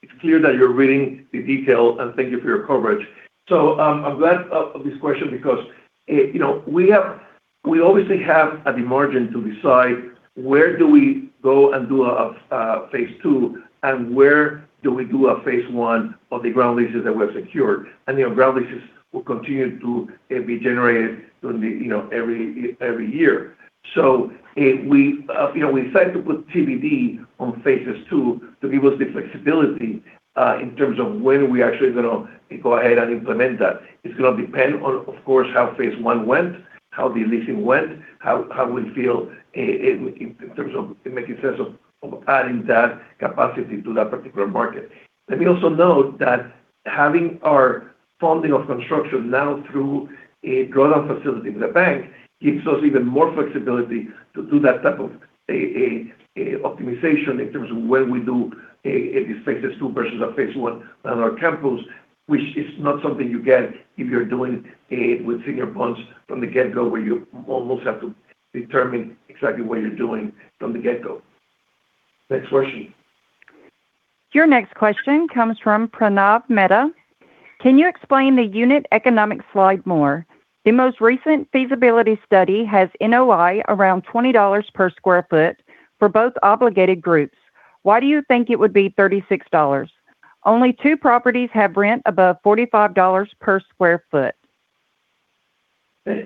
It's clear that you're reading the details, and thank you for your coverage. I'm glad of this question because, you know, we obviously have at the margin to decide where do we go and do a phase II and where do we do a phase I of the ground leases that we have secured. Ground leases will continue to be generated during the, you know, every year. If we, you know, we decide to put TBD on phases II to give us the flexibility in terms of when we actually gonna go ahead and implement that. It's gonna depend on, of course, how phase I went, how the leasing went, how we feel in terms of making sense of adding that capacity to that particular market. Let me also note that having our funding of construction now through a draw-down facility with the bank gives us even more flexibility to do that type of a optimization in terms of when we do a phase II versus a phase I on our campus, which is not something you get if you're doing it with senior bonds from the get-go, where you almost have to determine exactly what you're doing from the get-go. Next question. Your next question comes from Pranav Mehta. Can you explain the unit economic slide more? The most recent feasibility study has NOI around $20 per sq ft for both obligated groups. Why do you think it would be $36? Only two properties have rent above $45 per sq ft.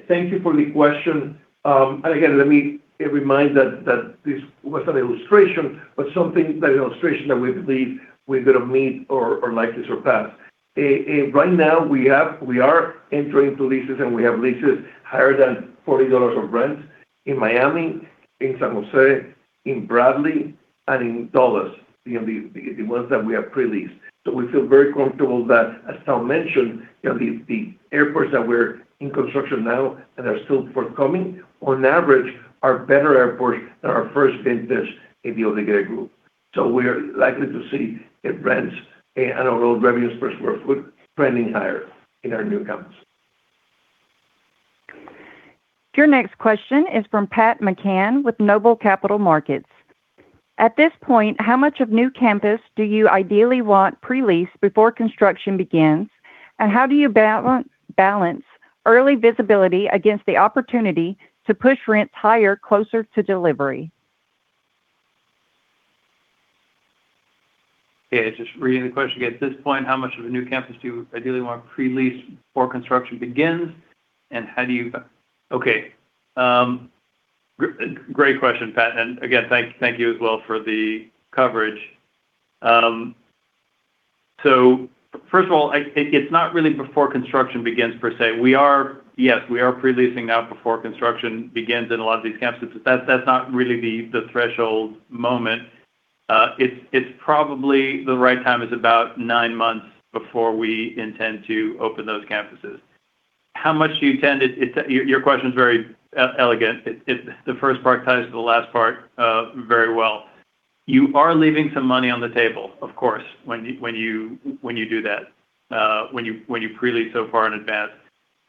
Thank you for the question. Again, let me remind that this was an illustration, but the illustration that we believe we're gonna meet or likely surpass. Right now, we are entering into leases, and we have leases higher than $40 of rent in Miami, in San Jose, in Bradley, and in Dallas, you know, the ones that we have pre-leased. We feel very comfortable that, as Tal mentioned, you know, the airports that we're in construction now and are still forthcoming, on average, are better airports than our first business in the Obligated Group. We're likely to see rents and NOI revenues per square foot trending higher in our new campuses. Your next question is from Pat McCann with Noble Capital Markets. At this point, how much of new campus do you ideally want pre-leased before construction begins? How do you balance early visibility against the opportunity to push rents higher closer to delivery? Yeah, just reading the question again. At this point, how much of a new campus do you ideally want to pre-lease before construction begins? Okay. Great question, Pat, and again, thank you as well for the coverage. So first of all, it's not really before construction begins per se. Yes, we are pre-leasing now before construction begins in a lot of these campuses, but that's not really the threshold moment. It's probably the right time is about nine months before we intend to open those campuses. Your question is very elegant. The first part ties to the last part very well. You are leaving some money on the table, of course, when you do that, when you pre-lease so far in advance.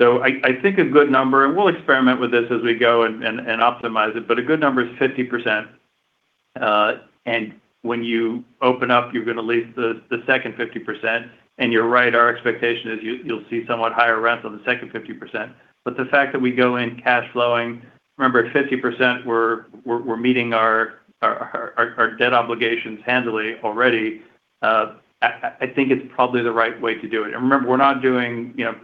I think a good number, and we'll experiment with this as we go and optimize it, but a good number is 50%. When you open up, you're going to lease the second 50%. You're right, our expectation is you'll see somewhat higher rents on the second 50%. The fact that we go in cash flowing, remember, at 50%, we're meeting our debt obligations handily already. I think it's probably the right way to do it. Remember, we're not doing, you know.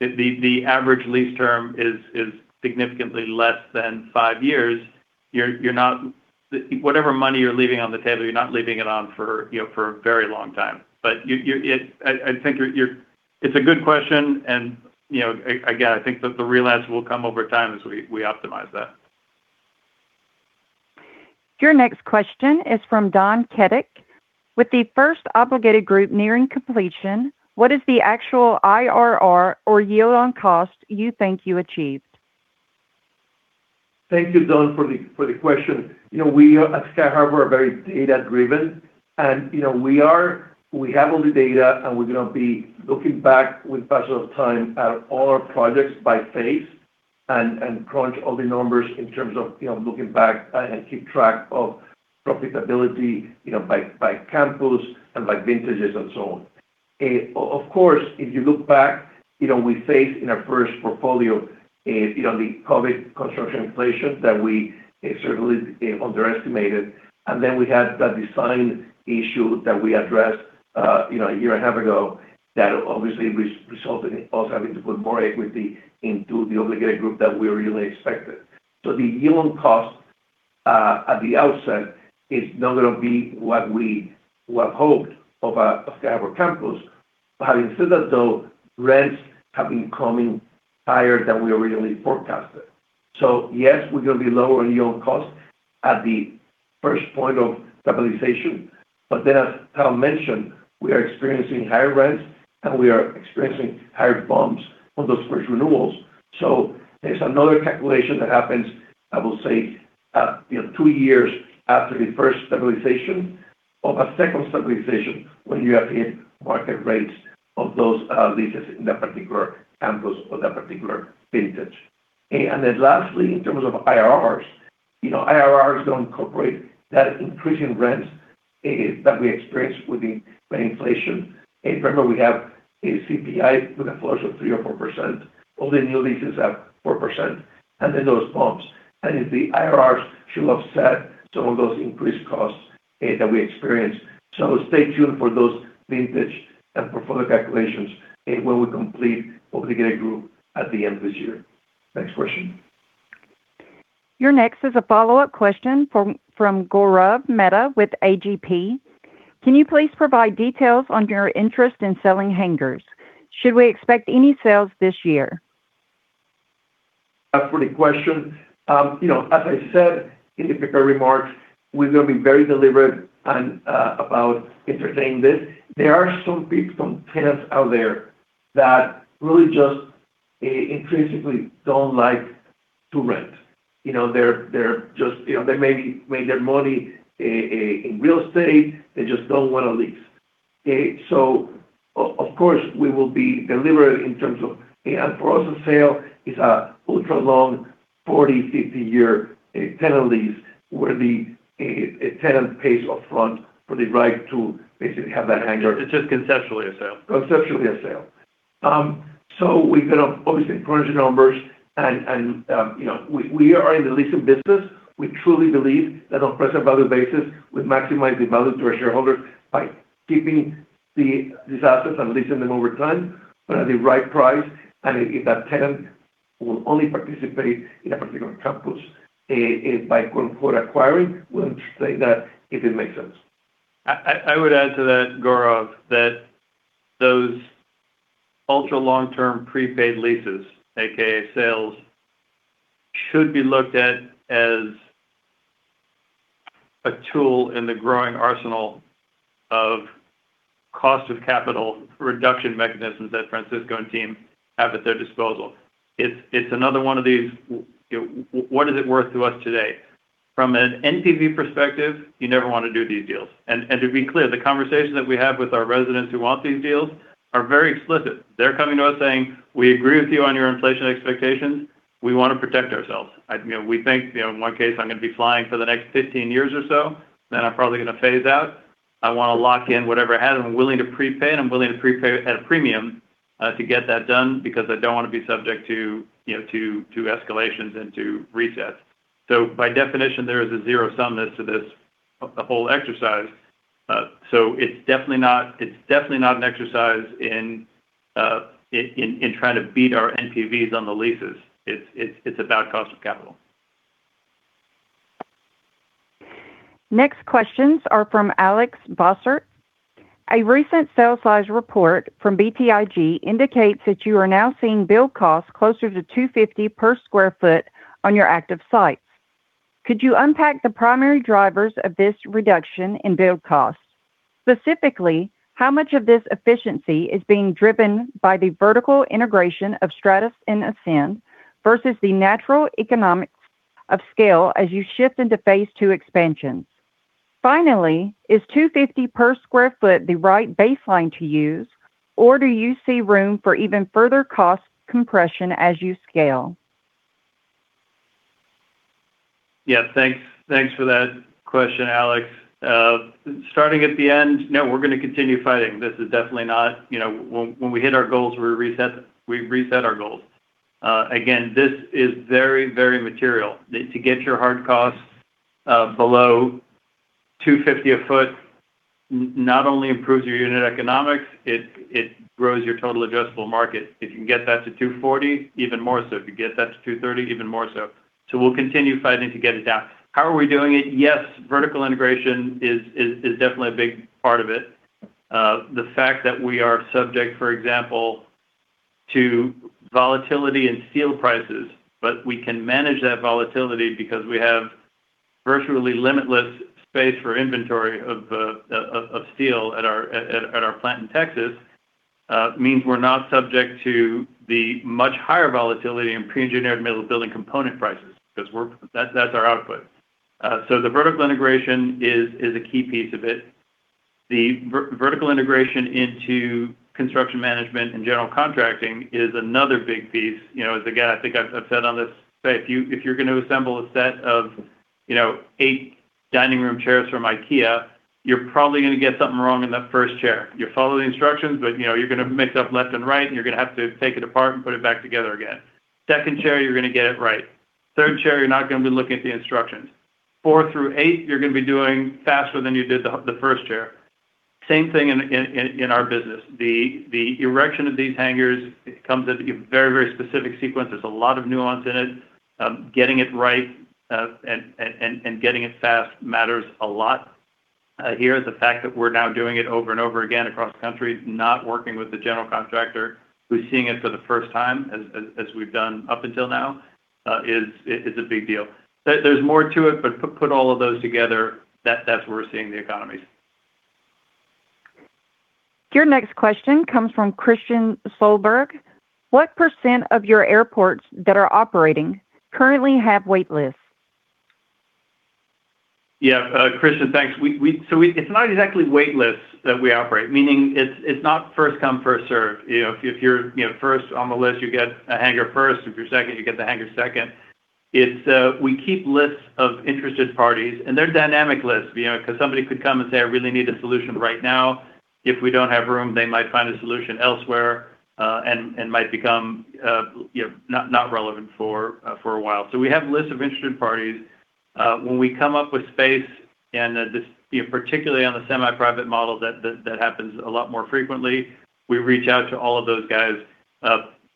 If the average lease term is significantly less than five years, whatever money you're leaving on the table, you're not leaving it on for, you know, for a very long time. It's a good question, and you know, again, I think the real answer will come over time as we optimize that. Your next question is from Don Kedyk. With the first Obligated Group nearing completion, what is the actual IRR or yield on cost you think you achieved? Thank you, Don, for the question. You know, we at Sky Harbour are very data-driven. You know, we have all the data, and we're gonna be looking back with passage of time at all our projects by phase and crunch all the numbers in terms of, you know, looking back and keep track of profitability, you know, by campus and by vintages and so on. Of course, if you look back, you know, we faced in our first portfolio, you know, the COVID construction inflation that we certainly underestimated. Then we had the design issue that we addressed, you know, a year and a half ago that obviously resulted in us having to put more equity into the Obligated Group than we really expected. The yield on cost at the outset is not gonna be what we had hoped for Sky Harbour Campus. Having said that, though, rents have been coming higher than we originally forecasted. Yes, we're gonna be lower in yield on cost at the first point of stabilization. Then as Tal mentioned, we are experiencing higher rents, and we are experiencing higher bumps on those first renewals. There's another calculation that happens, I will say, you know, two years after the first stabilization of a second stabilization, when you have hit market rates of those leases in that particular campus or that particular vintage. Then lastly, in terms of IRRs, you know, IRRs don't incorporate that increase in rents that we experienced by inflation. Remember, we have a CPI with a flow of 3% or 4%. All the new leases have 4%, and then those bumps. The IRRs should offset some of those increased costs that we experienced. Stay tuned for those vintage and portfolio calculations when we complete Obligated Group at the end of this year. Next question. Your next is a follow-up question from Gaurav Mehta with AGP. Can you please provide details on your interest in selling hangars? Should we expect any sales this year? For the question, you know, as I said in the prepared remarks, we're gonna be very deliberate and about entertaining this. There are some tenants out there that really just intrinsically don't like to rent. You know, they're just. You know, they maybe made their money in real estate. They just don't wanna lease. Okay? Of course, we will be deliberate in terms of. For us, a sale is a ultra long 40-50-year tenant lease where a tenant pays upfront for the right to basically have that hangar. It's just conceptually a sale. Conceptually a sale. We're gonna obviously crunch the numbers and you know we are in the leasing business. We truly believe that on a present value basis, we maximize the value to our shareholders by keeping these assets and leasing them over time, but at the right price. If that tenant will only participate in a particular campus, by quote-unquote acquiring, we'll entertain that if it makes sense. I would add to that, Gaurav, that those ultra long-term prepaid leases, aka sales, should be looked at as a tool in the growing arsenal of cost of capital reduction mechanisms that Francisco and team have at their disposal. It's another one of these, you know, what is it worth to us today? From an NPV perspective, you never want to do these deals. To be clear, the conversations that we have with our residents who want these deals are very explicit. They're coming to us saying, "We agree with you on your inflation expectations. We want to protect ourselves." You know, "We think," you know, "in one case, I'm gonna be flying for the next 15 years or so, then I'm probably gonna phase out. I wanna lock in whatever I have. I'm willing to prepay, and I'm willing to prepay at a premium." To get that done because I don't want to be subject to, you know, escalations and resets. By definition, there is a zero-sumness to this, the whole exercise. It's definitely not an exercise in trying to beat our NPVs on the leases. It's about cost of capital. Next questions are from Alex Bossert. A recent sell-side report from BTIG indicates that you are now seeing build costs closer to $250 per sq ft on your active sites. Could you unpack the primary drivers of this reduction in build costs? Specifically, how much of this efficiency is being driven by the vertical integration of Stratus and Ascend versus the natural economies of scale as you shift into phase II expansions? Finally, is $250 per sq ft the right baseline to use, or do you see room for even further cost compression as you scale? Yeah, thanks. Thanks for that question, Alex. Starting at the end, no, we're going to continue fighting. This is definitely not, you know, when we hit our goals, we reset our goals. Again, this is very material. To get your hard costs below $250 a foot not only improves your unit economics, it grows your total addressable market. If you can get that to $240, even more so. If you get that to $230, even more so. We'll continue fighting to get it down. How are we doing it? Yes, vertical integration is definitely a big part of it. The fact that we are subject, for example, to volatility in steel prices, but we can manage that volatility because we have virtually limitless space for inventory of steel at our plant in Texas means we're not subject to the much higher volatility in pre-engineered metal building component prices because we're, that's our output. The vertical integration is a key piece of it. The vertical integration into construction management and general contracting is another big piece. You know, I think I've said on this. Say, if you're going to assemble a set of, you know, eight dining room chairs from IKEA, you're probably going to get something wrong in that first chair. You follow the instructions, but you know, you're going to mix up left and right, and you're going to have to take it apart and put it back together again. Second chair, you're going to get it right. Third chair, you're not going to be looking at the instructions. Four through eight, you're going to be doing faster than you did the first chair. Same thing in our business. The erection of these hangars comes at a very, very specific sequence. There's a lot of nuance in it. Getting it right and getting it fast matters a lot. Here, the fact that we're now doing it over and over again across the country, not working with the general contractor who's seeing it for the first time as we've done up until now, is a big deal. There's more to it, but put all of those together, that's where we're seeing the economies. Your next question comes from Christian Solberg. What percent of your airports that are operating currently have wait lists? Yeah. Christian, thanks. We-- so it's not exactly wait lists that we operate, meaning it's not first come, first served. You know, if you're, you know, first on the list, you get a hangar first. If you're second, you get the hangar second. It's, we keep lists of interested parties, and they're dynamic lists, you know, because somebody could come and say, "I really need a solution right now." If we don't have room, they might find a solution elsewhere, and might become, you know, not relevant for a while. So we have lists of interested parties. When we come up with space, and this, you know, particularly on the semi-private model that happens a lot more frequently, we reach out to all of those guys.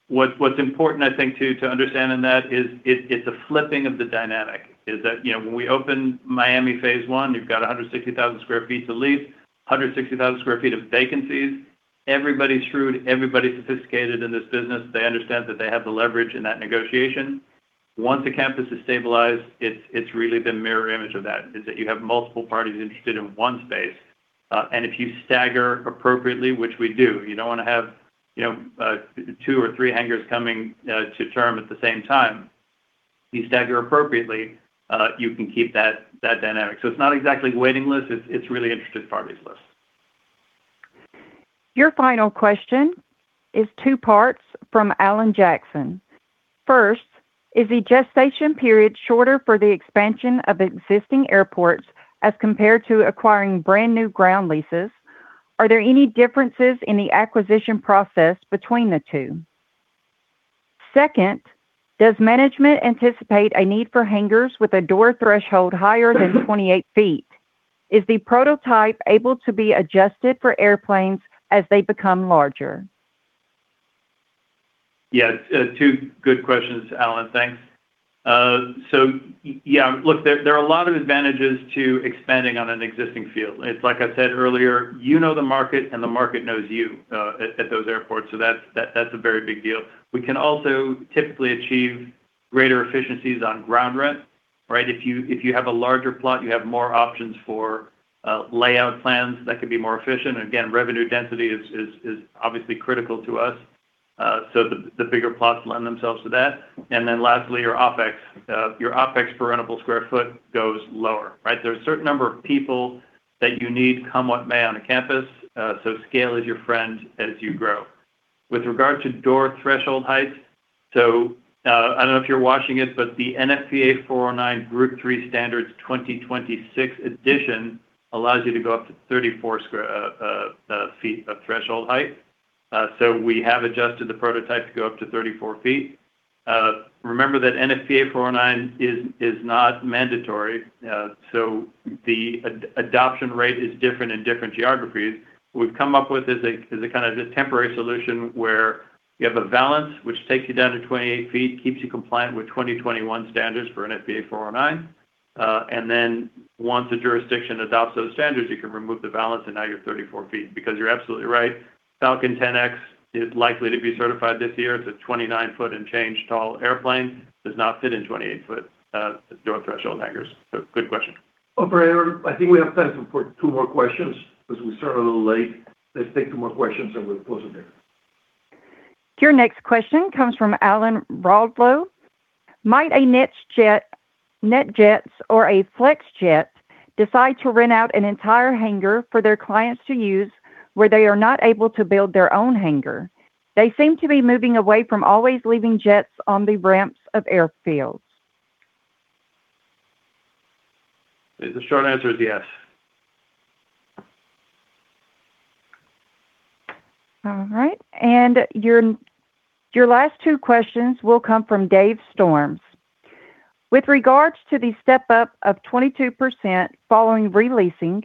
What's important, I think, to understand in that is it's a flipping of the dynamic. You know, when we open Miami phase I, you've got 160,000 sq ft to lease, 160,000 sq ft of vacancies. Everybody's shrewd, everybody's sophisticated in this business. They understand that they have the leverage in that negotiation. Once a campus is stabilized, it's really the mirror image of that. You have multiple parties interested in one space. If you stagger appropriately, which we do, you don't want to have, you know, two or three hangars coming to term at the same time. You stagger appropriately, you can keep that dynamic. It's not exactly a waiting list. It's really interested parties list. Your final question is two parts from Alan Jackson. First, is the gestation period shorter for the expansion of existing airports as compared to acquiring brand-new ground leases? Are there any differences in the acquisition process between the two? Second, does management anticipate a need for hangars with a door threshold higher than 28 feet? Is the prototype able to be adjusted for airplanes as they become larger? Yes. Two good questions, Alan. Thanks. So yeah, look, there are a lot of advantages to expanding on an existing field. It's like I said earlier, you know the market and the market knows you at those airports. So that's a very big deal. We can also typically achieve greater efficiencies on ground rent, right? If you have a larger plot, you have more options for layout plans that could be more efficient. Again, revenue density is obviously critical to us. So the bigger plots lend themselves to that. Then lastly, your OpEx. Your OpEx per rentable square foot goes lower, right? There are a certain number of people that you need, come what may, on a campus, so scale is your friend as you grow. With regard to door threshold height. I don't know if you're watching it, but the NFPA 409 Group III standards 2026 edition allows you to go up to 34 ft of threshold height. We have adjusted the prototype to go up to 34 ft. Remember that NFPA 409 is not mandatory, so the adoption rate is different in different geographies. What we've come up with is a kind of this temporary solution where you have a balance which takes you down to 28 ft, keeps you compliant with 2021 standards for NFPA 409. Then once a jurisdiction adopts those standards, you can remove the balance, and now you're 34 ft. Because you're absolutely right, Falcon 10X is likely to be certified this year. It's a 29-foot and change tall airplane. Does not fit in 28-foot door threshold hangars. Good question. Operator, I think we have time for two more questions because we started a little late. Let's take two more questions, and we'll close it there. Your next question comes from Alan Berlow. Might a NetJets or a Flexjet decide to rent out an entire hangar for their clients to use where they are not able to build their own hangar? They seem to be moving away from always leaving jets on the ramps of airfields. The short answer is yes. All right. Your last two questions will come from Dave Storms. With regards to the step up of 22% following re-leasing,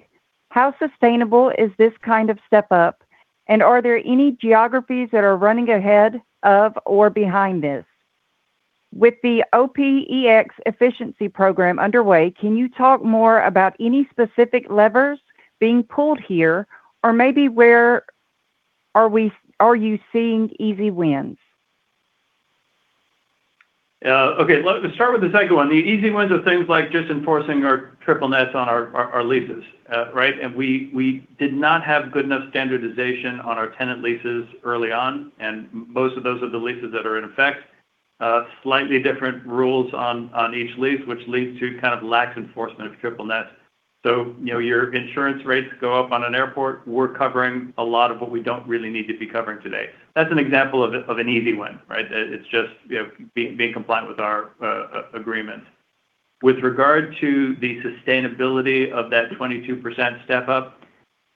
how sustainable is this kind of step up, and are there any geographies that are running ahead of or behind this? With the OpEx efficiency program underway, can you talk more about any specific levers being pulled here or maybe where are you seeing easy wins? Okay, let's start with the second one. The easy wins are things like just enforcing our triple nets on our leases, right? We did not have good enough standardization on our tenant leases early on, and most of those are the leases that are in effect. Slightly different rules on each lease, which leads to kind of lax enforcement of triple net. You know, your insurance rates go up on an airport. We're covering a lot of what we don't really need to be covering today. That's an example of an easy win, right? It's just, you know, being compliant with our agreement. With regard to the sustainability of that 22% step up,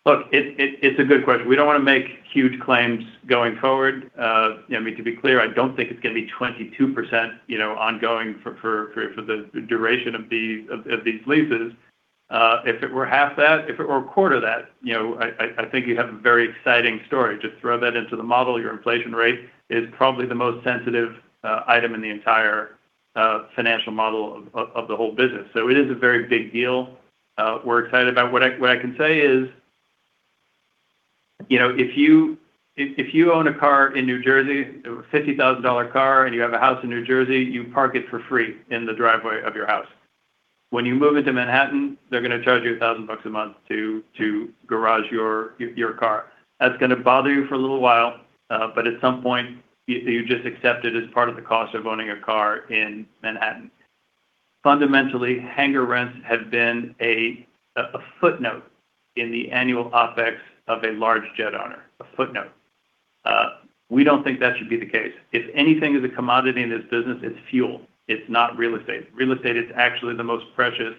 look, it's a good question. We don't want to make huge claims going forward. You know, I mean, to be clear, I don't think it's going to be 22%, you know, ongoing for the duration of these leases. If it were half that, if it were a quarter that, you know, I think you'd have a very exciting story. Just throw that into the model. Your inflation rate is probably the most sensitive item in the entire financial model of the whole business. It is a very big deal. We're excited about what I can say is, you know, if you own a car in New Jersey, a $50,000 car, and you have a house in New Jersey, you park it for free in the driveway of your house. When you move into Manhattan, they're going to charge you $1,000 a month to garage your car. That's going to bother you for a little while, but at some point, you just accept it as part of the cost of owning a car in Manhattan. Fundamentally, hangar rents have been a footnote in the annual OpEx of a large jet owner. We don't think that should be the case. If anything is a commodity in this business, it's fuel. It's not real estate. Real estate is actually the most precious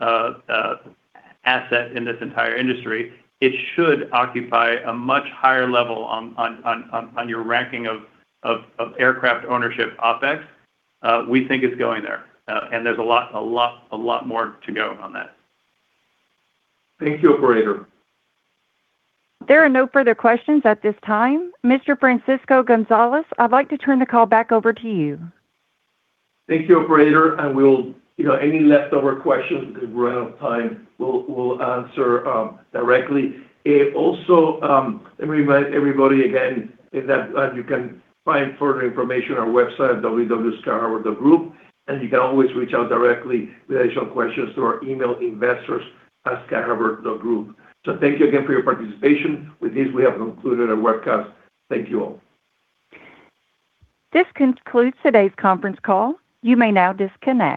asset in this entire industry. It should occupy a much higher level on your ranking of aircraft ownership OpEx. We think it's going there. There's a lot more to go on that. Thank you, operator. There are no further questions at this time. Mr. Francisco Gonzalez, I'd like to turn the call back over to you. Thank you, operator. We'll, you know, any leftover questions, because we're out of time, we'll answer directly. Also, let me remind everybody again that you can find further information on our website at www.skyharbour.group, and you can always reach out directly with additional questions through our email investors@skyharbour.group. Thank you again for your participation. With this, we have concluded our webcast. Thank you all. This concludes today's conference call. You may now disconnect.